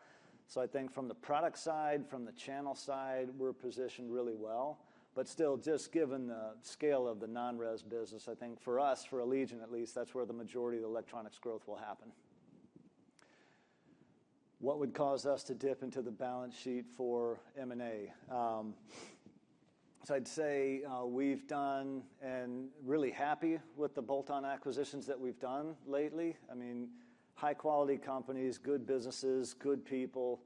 I think from the product side, from the channel side, we're positioned really well. Still, just given the scale of the non-res business, I think for us, for Allegion at least, that's where the majority of the electronics growth will happen. What would cause us to dip into the balance sheet for M&A? I'd say we've done and really happy with the bolt-on acquisitions that we've done lately. I mean, high-quality companies, good businesses, good people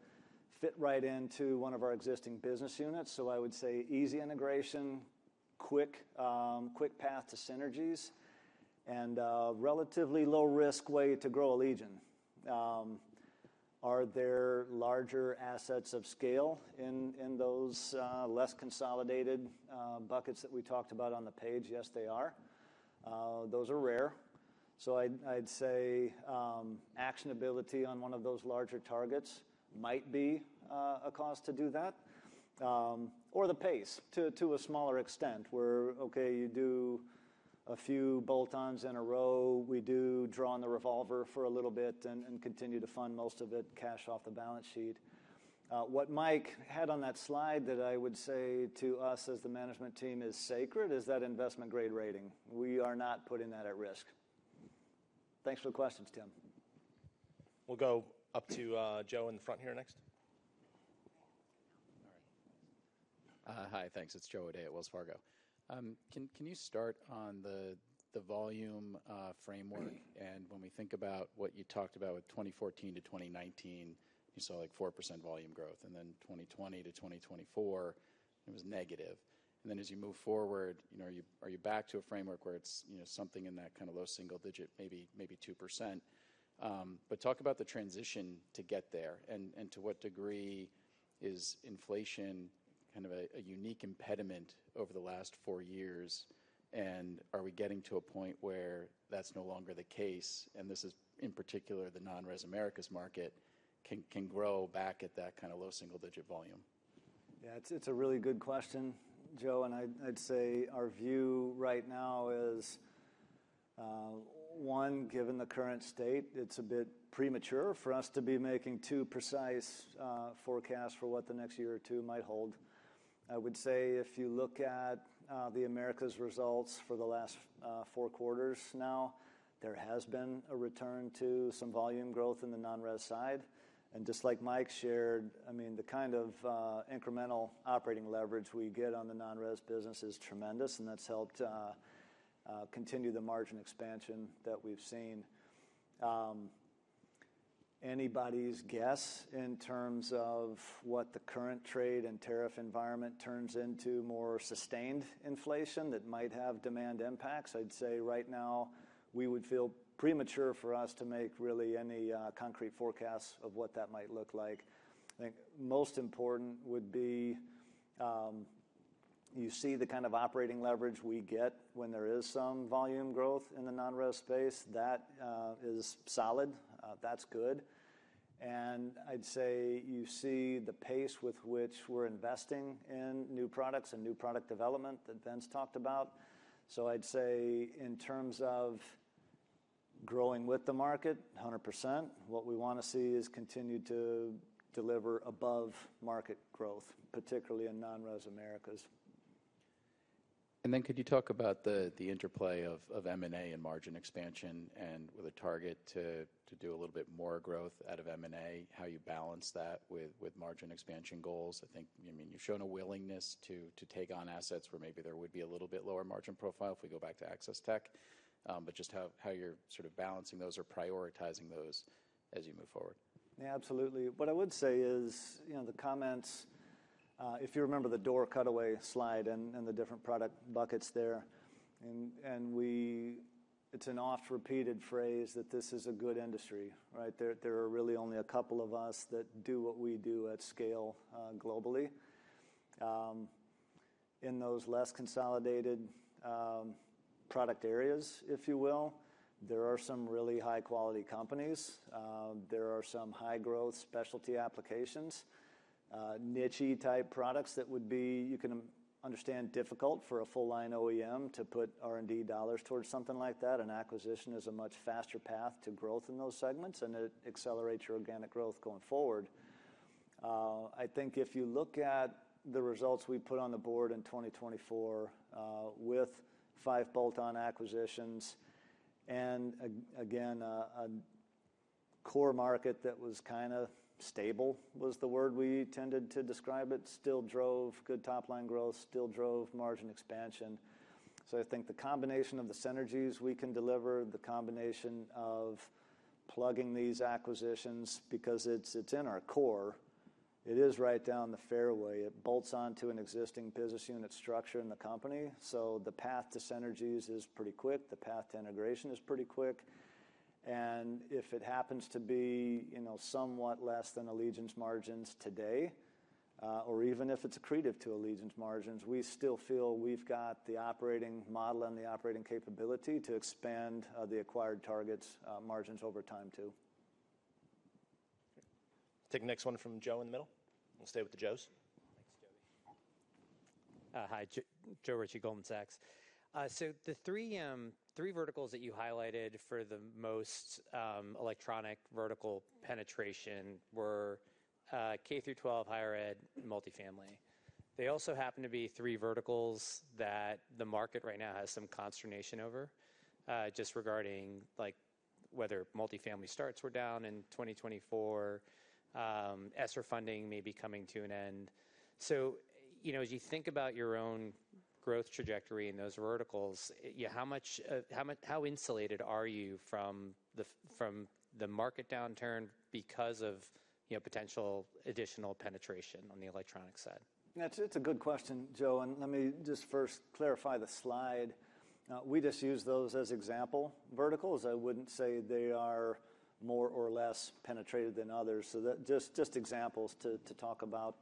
fit right into one of our existing business units. I would say easy integration, quick path to synergies, and relatively low-risk way to grow Allegion. Are there larger assets of scale in those less consolidated buckets that we talked about on the page? Yes, they are. Those are rare. I'd say actionability on one of those larger targets might be a cause to do that. Or the pace to a smaller extent where, okay, you do a few bolt-ons in a row. We do draw on the revolver for a little bit and continue to fund most of it cash off the balance sheet. What Mike had on that slide that I would say to us as the management team is sacred is that investment-grade rating. We are not putting that at risk. Thanks for the questions, Tim. We'll go up to Joe in the front here next. All right. Hi, thanks. It's Joe O'Dea at Wells Fargo. Can you start on the volume framework? When we think about what you talked about with 2014 to 2019, you saw like 4% volume growth. Then 2020 to 2024, it was negative. As you move forward, are you back to a framework where it's something in that kind of low single digit, maybe 2%? Talk about the transition to get there. To what degree is inflation kind of a unique impediment over the last four years? Are we getting to a point where that's no longer the case? This is in particular the non-res America's market can grow back at that kind of low single digit volume. Yeah, it's a really good question, Joe. I'd say our view right now is, one, given the current state, it's a bit premature for us to be making too precise forecasts for what the next year or two might hold. I would say if you look at the America's results for the last four quarters now, there has been a return to some volume growth in the non-res side. Just like Mike shared, I mean, the kind of incremental operating leverage we get on the non-res business is tremendous. That's helped continue the margin expansion that we've seen. Anybody's guess in terms of what the current trade and tariff environment turns into more sustained inflation that might have demand impacts? I'd say right now, we would feel premature for us to make really any concrete forecasts of what that might look like. I think most important would be you see the kind of operating leverage we get when there is some volume growth in the non-res space. That is solid. That's good. I'd say you see the pace with which we're investing in new products and new product development that Vince talked about. I'd say in terms of growing with the market, 100%, what we want to see is continue to deliver above market growth, particularly in non-res America's. Could you talk about the interplay of M&A and margin expansion and with a target to do a little bit more growth out of M&A, how you balance that with margin expansion goals? I think, I mean, you've shown a willingness to take on assets where maybe there would be a little bit lower margin profile if we go back to Access Tech. Just how you're sort of balancing those or prioritizing those as you move forward. Yeah, absolutely. What I would say is the comments, if you remember the door cutaway slide and the different product buckets there, and it's an oft-repeated phrase that this is a good industry, right? There are really only a couple of us that do what we do at scale globally. In those less consolidated product areas, if you will, there are some really high-quality companies. There are some high-growth specialty applications, niche-y type products that would be, you can understand, difficult for a full-line OEM to put R&D dollars towards something like that. Acquisition is a much faster path to growth in those segments, and it accelerates your organic growth going forward. I think if you look at the results we put on the board in 2024 with five bolt-on acquisitions and, again, a core market that was kind of stable was the word we tended to describe it, still drove good top-line growth, still drove margin expansion. I think the combination of the synergies we can deliver, the combination of plugging these acquisitions because it's in our core, it is right down the fairway. It bolts onto an existing business unit structure in the company. The path to synergies is pretty quick. The path to integration is pretty quick. If it happens to be somewhat less than Allegion's margins today, or even if it's accretive to Allegion's margins, we still feel we've got the operating model and the operating capability to expand the acquired target's margins over time too. Take the next one from Joe in the middle. We'll stay with the Joes. Thanks, Josh. Hi, Joe Richie, Goldman Sachs. The three verticals that you highlighted for the most electronic vertical penetration were K-12, higher ed, multifamily. They also happen to be three verticals that the market right now has some consternation over just regarding whether multifamily starts were down in 2024, ESSER funding may be coming to an end. As you think about your own growth trajectory in those verticals, how insulated are you from the market downturn because of potential additional penetration on the electronic side? It's a good question, Joe. Let me just first clarify the slide. We just use those as example verticals. I would not say they are more or less penetrated than others. Just examples to talk about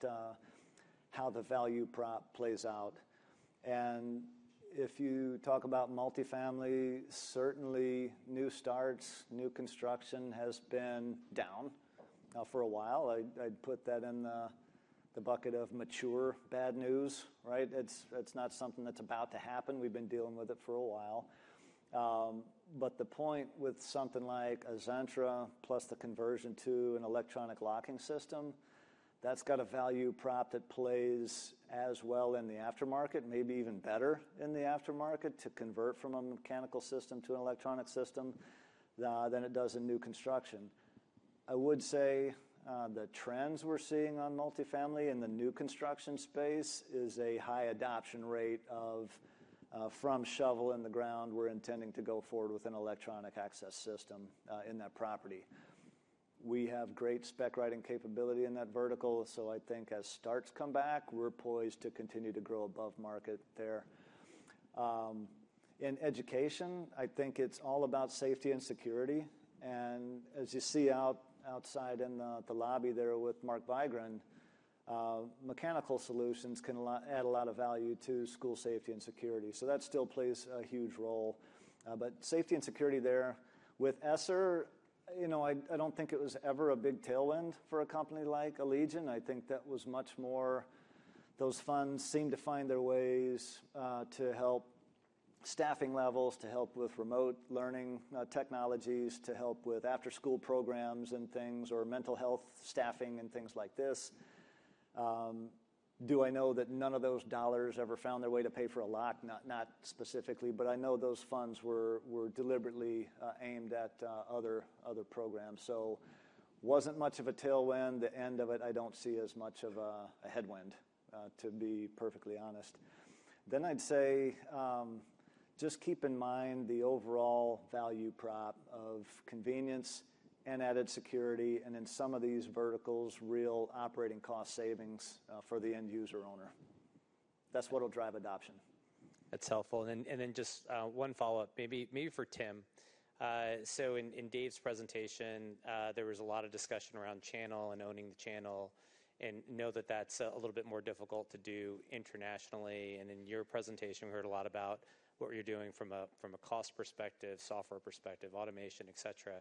how the value prop plays out. If you talk about multifamily, certainly new starts, new construction has been down for a while. I would put that in the bucket of mature bad news, right? It is not something that is about to happen. We have been dealing with it for a while. The point with something like Zentra plus the conversion to an electronic locking system, that has a value prop that plays as well in the aftermarket, maybe even better in the aftermarket to convert from a mechanical system to an electronic system than it does in new construction. I would say the trends we're seeing on multifamily in the new construction space is a high adoption rate of from shovel in the ground, we're intending to go forward with an electronic access system in that property. We have great spec writing capability in that vertical. I think as starts come back, we're poised to continue to grow above market there. In education, I think it's all about safety and security. As you see outside in the lobby there with Mark Vigren, mechanical solutions can add a lot of value to school safety and security. That still plays a huge role. Safety and security there with ESSER, I don't think it was ever a big tailwind for a company like Allegion. I think that was much more those funds seem to find their ways to help staffing levels, to help with remote learning technologies, to help with after-school programs and things, or mental health staffing and things like this. Do I know that none of those dollars ever found their way to pay for a lock? Not specifically, but I know those funds were deliberately aimed at other programs. It was not much of a tailwind. The end of it, I do not see as much of a headwind, to be perfectly honest. I would say just keep in mind the overall value prop of convenience and added security. In some of these verticals, real operating cost savings for the end user owner. That is what will drive adoption. That is helpful. Just one follow-up, maybe for Tim. In Dave's presentation, there was a lot of discussion around channel and owning the channel. I know that that's a little bit more difficult to do internationally. In your presentation, we heard a lot about what you're doing from a cost perspective, software perspective, automation, etc.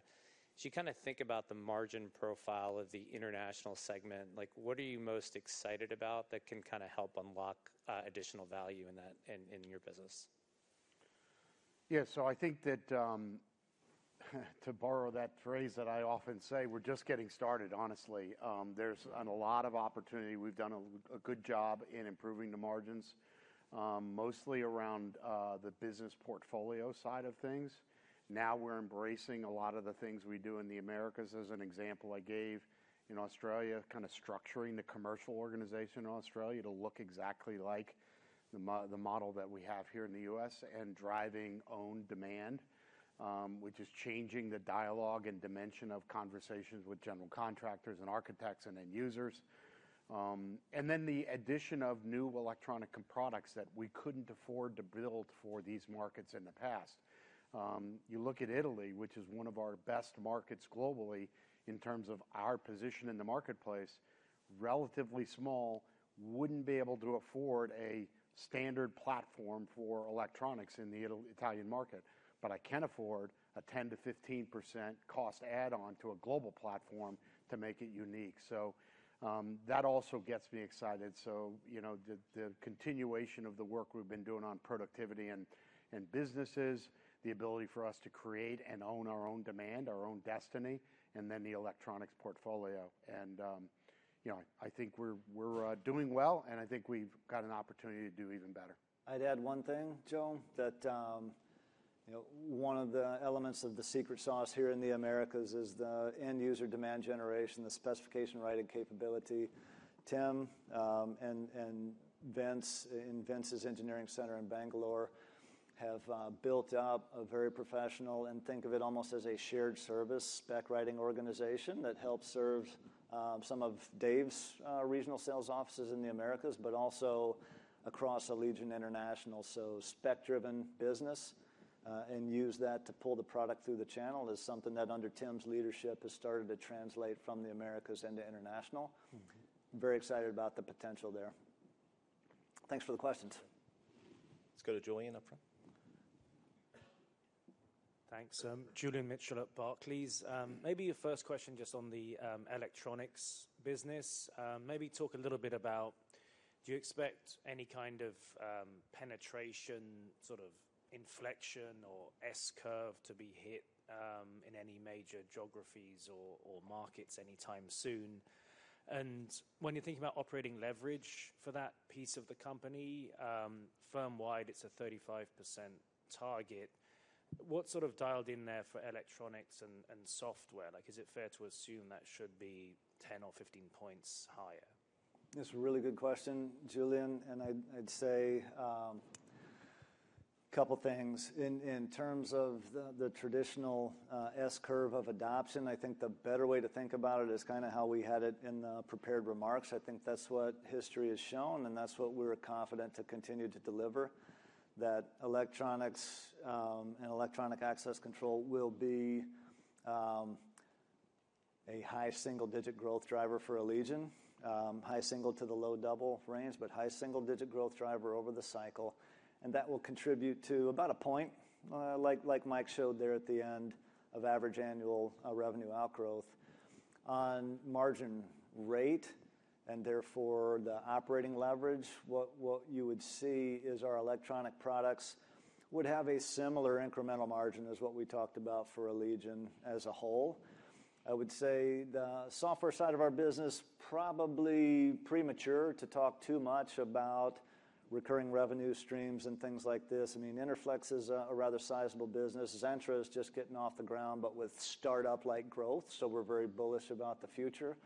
As you kind of think about the margin profile of the international segment, what are you most excited about that can kind of help unlock additional value in your business? Yeah, I think that to borrow that phrase that I often say, we're just getting started, honestly. There's a lot of opportunity. We've done a good job in improving the margins, mostly around the business portfolio side of things. Now we're embracing a lot of the things we do in the Americas, as an example I gave in Australia, kind of structuring the commercial organization in Australia to look exactly like the model that we have here in the U.S. and driving own demand, which is changing the dialogue and dimension of conversations with general contractors and architects and end users. The addition of new electronic products that we couldn't afford to build for these markets in the past. You look at Italy, which is one of our best markets globally in terms of our position in the marketplace, relatively small, wouldn't be able to afford a standard platform for electronics in the Italian market. I can afford a 10%-15% cost add-on to a global platform to make it unique. That also gets me excited. The continuation of the work we've been doing on productivity and businesses, the ability for us to create and own our own demand, our own destiny, and then the electronics portfolio. I think we're doing well. I think we've got an opportunity to do even better. I'd add one thing, Joe, that one of the elements of the secret sauce here in the Americas is the end user demand generation, the specification writing capability. Tim and Vince in Vince's engineering center in Bangalore have built up a very professional, and think of it almost as a shared service spec writing organization that helps serve some of Dave's regional sales offices in the Americas, but also across Allegion International. Spec-driven business and use that to pull the product through the channel is something that under Tim's leadership has started to translate from the Americas into international. Very excited about the potential there. Thanks for the questions. Let's go to Julian up front. Thanks. Julian Mitchell at Barclays. Maybe your first question just on the electronics business. Maybe talk a little bit about, do you expect any kind of penetration, sort of inflection or s-curve to be hit in any major geographies or markets anytime soon? When you're thinking about operating leverage for that piece of the company, firm-wide, it's a 35% target. What's sort of dialed in there for electronics and software? Is it fair to assume that should be 10 or 15 points higher? That's a really good question, Julian. I'd say a couple of things. In terms of the traditional s-curve of adoption, I think the better way to think about it is kind of how we had it in the prepared remarks. I think that's what history has shown. That is what we are confident to continue to deliver, that electronics and electronic access control will be a high single-digit growth driver for Allegion, high single to the low double range, but high single-digit growth driver over the cycle. That will contribute to about a point, like Mike showed there at the end, of average annual revenue outgrowth on margin rate and therefore the operating leverage. What you would see is our electronic products would have a similar incremental margin as what we talked about for Allegion as a whole. I would say the software side of our business, probably premature to talk too much about recurring revenue streams and things like this. I mean, Interflex is a rather sizable business. Zentra is just getting off the ground, but with startup-like growth. We're very bullish about the future,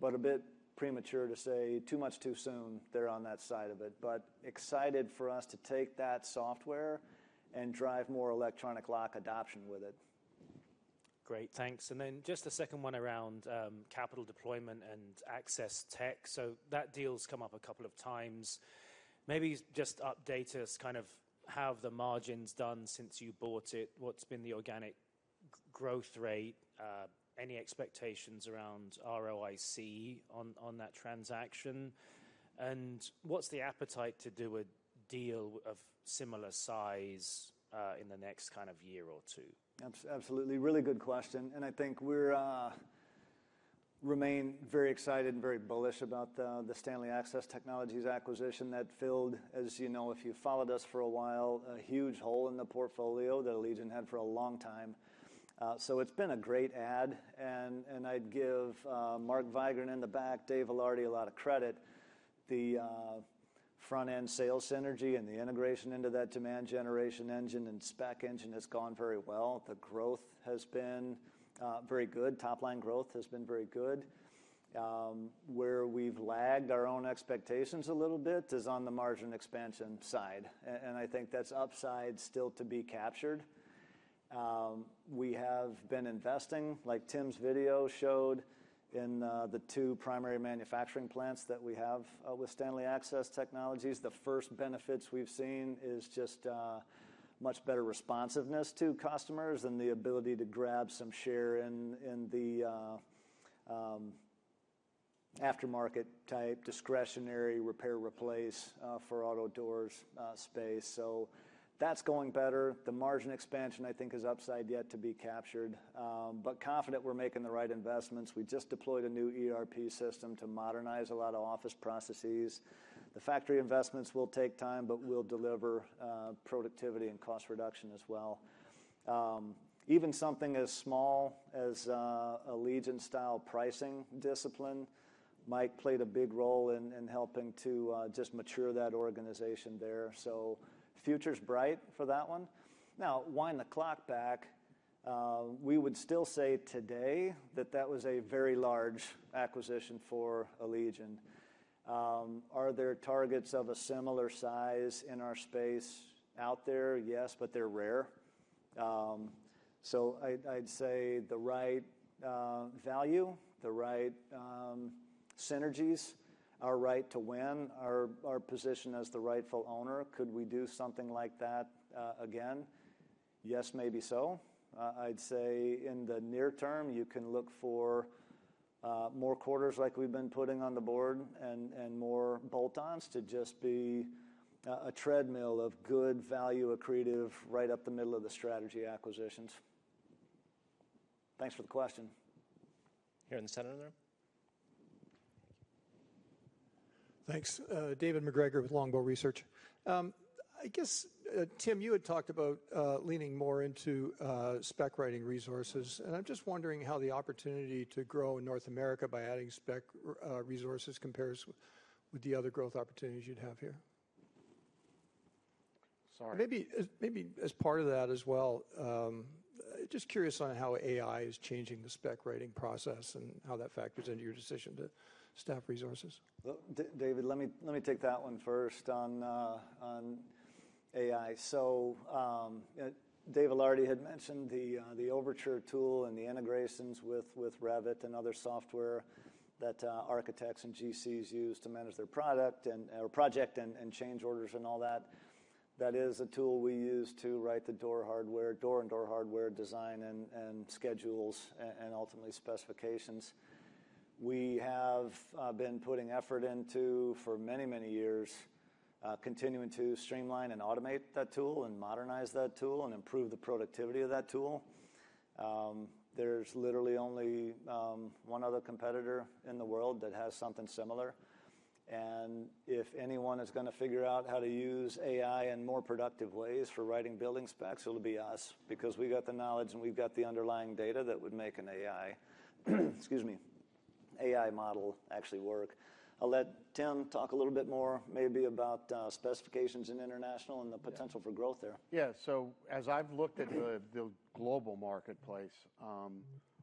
but a bit premature to say too much too soon there on that side of it. Excited for us to take that software and drive more electronic lock adoption with it. Great. Thanks. Just a second one around capital deployment and access tech. That deal's come up a couple of times. Maybe just update us, kind of how have the margins done since you bought it? What's been the organic growth rate? Any expectations around ROIC on that transaction? What's the appetite to do a deal of similar size in the next kind of year or two? Absolutely. Really good question. I think we remain very excited and very bullish about the STANLEY Access Technologies acquisition that filled, as you know, if you followed us for a while, a huge hole in the portfolio that Allegion had for a long time. It has been a great add. I would give Mark Vigren in the back, Dave Ilardi, a lot of credit. The front-end sales synergy and the integration into that demand generation engine and spec engine has gone very well. The growth has been very good. Top-line growth has been very good. Where we have lagged our own expectations a little bit is on the margin expansion side. I think that is upside still to be captured. We have been investing, like Tim's video showed, in the two primary manufacturing plants that we have with STANLEY Access Technologies. The first benefits we've seen is just much better responsiveness to customers and the ability to grab some share in the aftermarket type discretionary repair replace for auto doors space. That is going better. The margin expansion, I think, is upside yet to be captured, but confident we're making the right investments. We just deployed a new ERP system to modernize a lot of office processes. The factory investments will take time, but will deliver productivity and cost reduction as well. Even something as small as Allegion-style pricing discipline, Mike played a big role in helping to just mature that organization there. The future's bright for that one. Now, wind the clock back. We would still say today that that was a very large acquisition for Allegion. Are there targets of a similar size in our space out there? Yes, but they're rare. I'd say the right value, the right synergies, our right to win, our position as the rightful owner. Could we do something like that again? Yes, maybe so. I'd say in the near term, you can look for more quarters like we've been putting on the board and more bolt-ons to just be a treadmill of good value accretive right up the middle of the strategy acquisitions. Thanks for the question. Here in the center of the room. Thanks. David MAcGregor with Longbow Research. I guess, Tim, you had talked about leaning more into spec writing resources. I'm just wondering how the opportunity to grow in North America by adding spec resources compares with the other growth opportunities you'd have here. Sorry. Maybe as part of that as well, just curious on how AI is changing the spec writing process and how that factors into your decision to staff resources. David, let me take that one first on AI. So Dave Ilardi had mentioned the Overtur tool and the integrations with Revit and other software that architects and GCs use to manage their project and change orders and all that. That is a tool we use to write the door hardware, door and door hardware design and schedules, and ultimately specifications. We have been putting effort into for many, many years, continuing to streamline and automate that tool and modernize that tool and improve the productivity of that tool. There's literally only one other competitor in the world that has something similar. If anyone is going to figure out how to use AI in more productive ways for writing building specs, it'll be us because we got the knowledge and we've got the underlying data that would make an AI, excuse me, AI model actually work. I'll let Tim talk a little bit more maybe about specifications and international and the potential for growth there. Yeah. As I've looked at the global marketplace,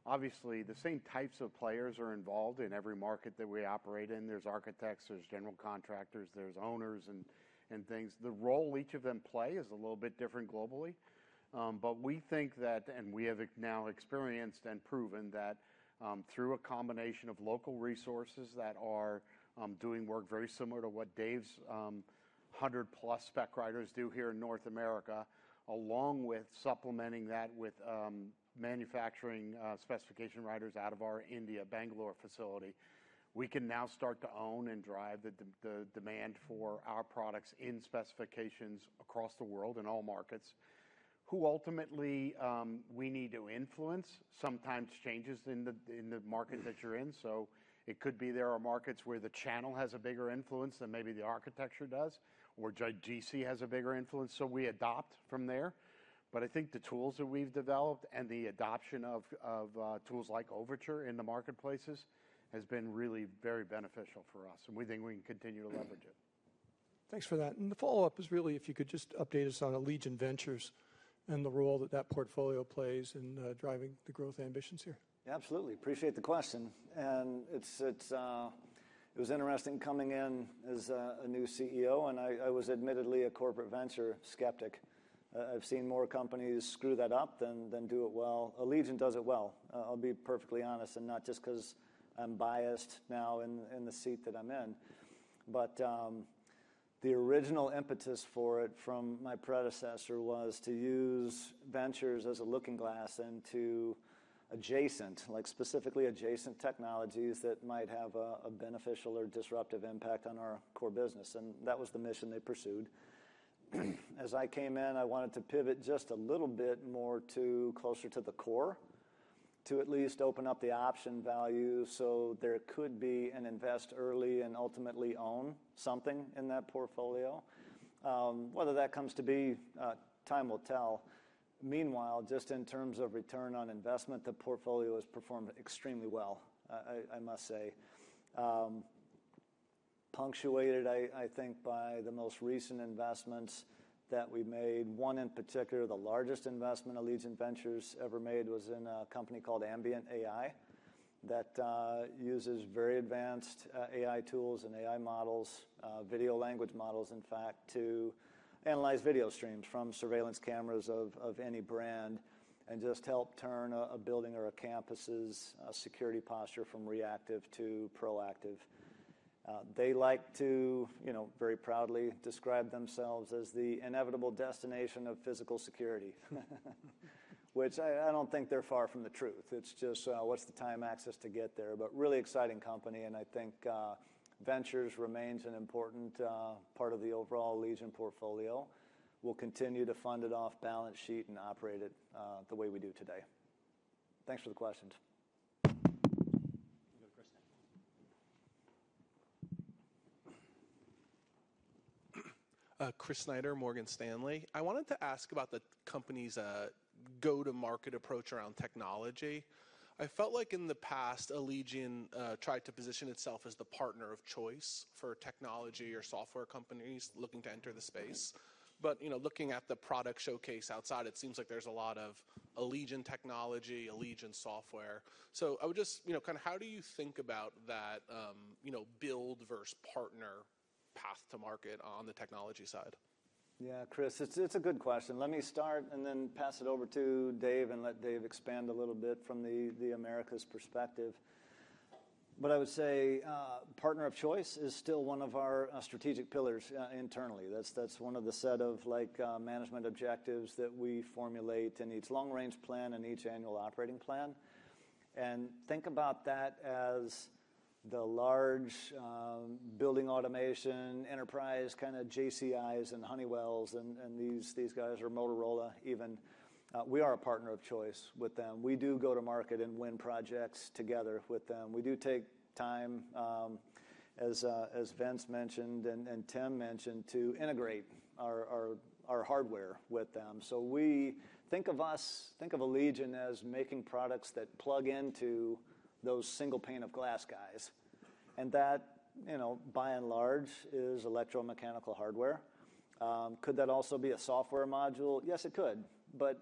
obviously the same types of players are involved in every market that we operate in. There's architects, there's general contractors, there's owners and things. The role each of them play is a little bit different globally. We think that, and we have now experienced and proven that through a combination of local resources that are doing work very similar to what Dave's 100+ spec writers do here in North America, along with supplementing that with manufacturing specification writers out of our India, Bangalore facility, we can now start to own and drive the demand for our products in specifications across the world in all markets, who ultimately we need to influence, sometimes changes in the market that you're in. It could be there are markets where the channel has a bigger influence than maybe the architecture does or GC has a bigger influence. We adopt from there. I think the tools that we've developed and the adoption of tools like Overtur in the marketplaces has been really very beneficial for us. We think we can continue to leverage it. Thanks for that. The follow-up is really if you could just update us on Allegion Ventures and the role that that portfolio plays in driving the growth ambitions here. Absolutely. Appreciate the question. It was interesting coming in as a new CEO. I was admittedly a corporate venture skeptic. I've seen more companies screw that up than do it well. Allegion does it well. I'll be perfectly honest. Not just because I'm biased now in the seat that I'm in. The original impetus for it from my predecessor was to use ventures as a looking glass and to adjacent, like specifically adjacent technologies that might have a beneficial or disruptive impact on our core business. That was the mission they pursued. As I came in, I wanted to pivot just a little bit more closer to the core to at least open up the option value so there could be an invest early and ultimately own something in that portfolio. Whether that comes to be, time will tell. Meanwhile, just in terms of return on investment, the portfolio has performed extremely well, I must say. Punctuated, I think, by the most recent investments that we made. One in particular, the largest investment Allegion Ventures ever made was in a company called Ambient.ai that uses very advanced AI tools and AI models, video language models, in fact, to analyze video streams from surveillance cameras of any brand and just help turn a building or a campus's security posture from reactive to proactive. They like to very proudly describe themselves as the inevitable destination of physical security, which I don't think they're far from the truth. It's just what's the time access to get there. Really exciting company. I think Ventures remains an important part of the overall Allegion portfolio. We'll continue to fund it off balance sheet and operate it the way we do today. Thanks for the questions. Chris Snyder, Morgan Stanley. I wanted to ask about the company's go-to-market approach around technology. I felt like in the past, Allegion tried to position itself as the partner of choice for technology or software companies looking to enter the space. Looking at the product showcase outside, it seems like there's a lot of Allegion technology, Allegion software. I would just kind of, how do you think about that build versus partner path to market on the technology side? Yeah, Chris, it's a good question. Let me start and then pass it over to Dave and let Dave expand a little bit from the Americas perspective. I would say partner of choice is still one of our strategic pillars internally. That's one of the set of management objectives that we formulate in each long-range plan and each annual operating plan. Think about that as the large building automation enterprise kind of JCIs and Honeywells and these guys or Motorola even. We are a partner of choice with them. We do go-to-market and win projects together with them. We do take time, as Vince mentioned and Tim mentioned, to integrate our hardware with them. Think of us, think of Allegion as making products that plug into those single pane of glass guys. That, by and large, is electromechanical hardware. Could that also be a software module? Yes, it could.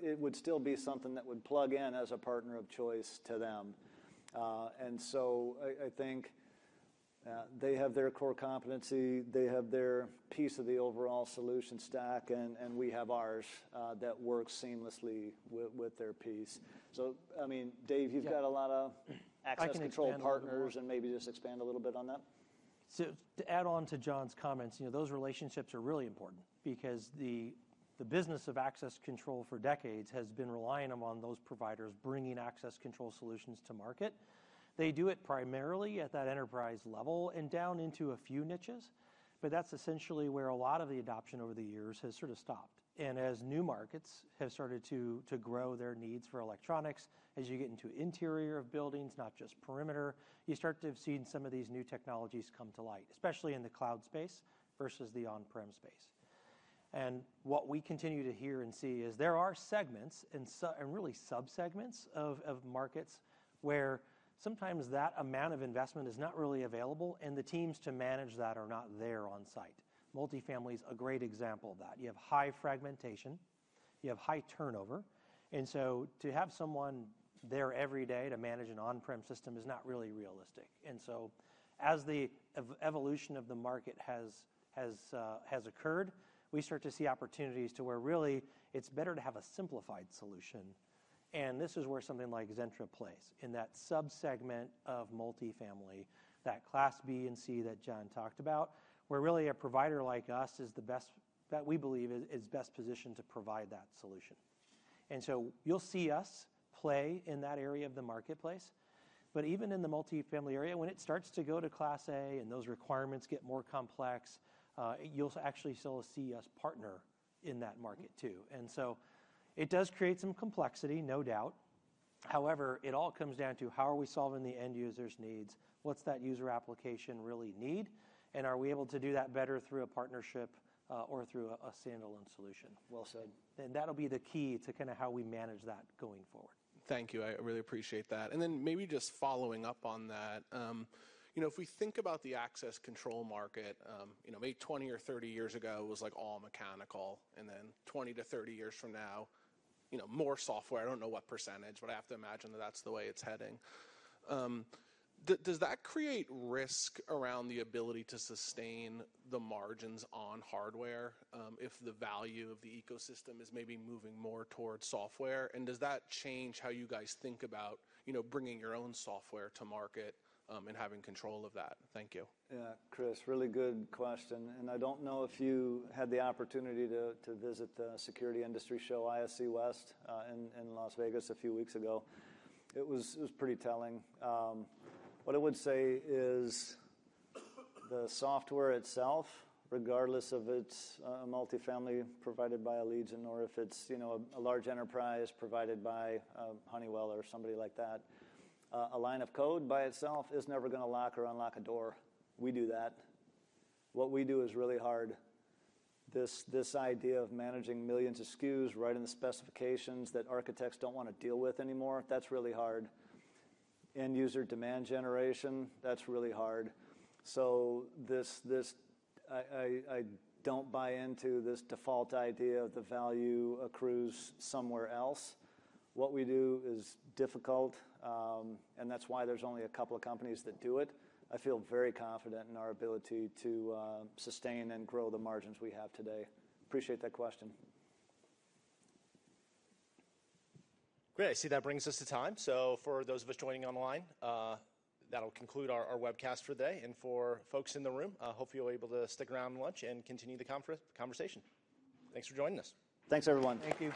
It would still be something that would plug in as a partner of choice to them. I think they have their core competency. They have their piece of the overall solution stack. We have ours that works seamlessly with their piece. I mean, Dave, you have a lot of access control partners. I can add on. Maybe just expand a little bit on that. To add on to John's comments, those relationships are really important because the business of access control for decades has been relying on those providers bringing access control solutions to market. They do it primarily at that enterprise level and down into a few niches. That is essentially where a lot of the adoption over the years has sort of stopped. As new markets have started to grow their needs for electronics, as you get into interior of buildings, not just perimeter, you start to have seen some of these new technologies come to light, especially in the cloud space versus the on-prem space. What we continue to hear and see is there are segments and really subsegments of markets where sometimes that amount of investment is not really available and the teams to manage that are not there on site. Multifamily is a great example of that. You have high fragmentation. You have high turnover. To have someone there every day to manage an on-prem system is not really realistic. As the evolution of the market has occurred, we start to see opportunities to where really it's better to have a simplified solution. This is where something like Zentra plays in that subsegment of multifamily, that class B and C that John talked about, where really a provider like us is the best that we believe is best positioned to provide that solution. You'll see us play in that area of the marketplace. Even in the multifamily area, when it starts to go to class A and those requirements get more complex, you'll actually still see us partner in that market too. It does create some complexity, no doubt. However, it all comes down to how are we solving the end user's needs? What's that user application really need? Are we able to do that better through a partnership or through a standalone solution? Well said. That'll be the key to kind of how we manage that going forward. Thank you. I really appreciate that. Maybe just following up on that, if we think about the access control market, maybe 20 or 30 years ago, it was like all mechanical. And then 20-30 years from now, more software. I don't know what percentage, but I have to imagine that that's the way it's heading. Does that create risk around the ability to sustain the margins on hardware if the value of the ecosystem is maybe moving more towards software? And does that change how you guys think about bringing your own software to market and having control of that? Thank you. Chris, really good question. I don't know if you had the opportunity to visit the Security Industry show, ISC West in Las Vegas a few weeks ago. It was pretty telling. What I would say is the software itself, regardless of if it's a multifamily provided by Allegion or if it's a large enterprise provided by Honeywell or somebody like that, a line of code by itself is never going to lock or unlock a door. We do that. What we do is really hard. This idea of managing millions of SKUs right in the specifications that architects don't want to deal with anymore, that's really hard. End user demand generation, that's really hard. I don't buy into this default idea of the value accrues somewhere else. What we do is difficult. That is why there's only a couple of companies that do it. I feel very confident in our ability to sustain and grow the margins we have today. Appreciate that question. Great. I see that brings us to time. For those of us joining online, that'll conclude our webcast for today. For folks in the room, hopefully you'll be able to stick around lunch and continue the conversation. Thanks for joining us. Thanks, everyone. Thank you.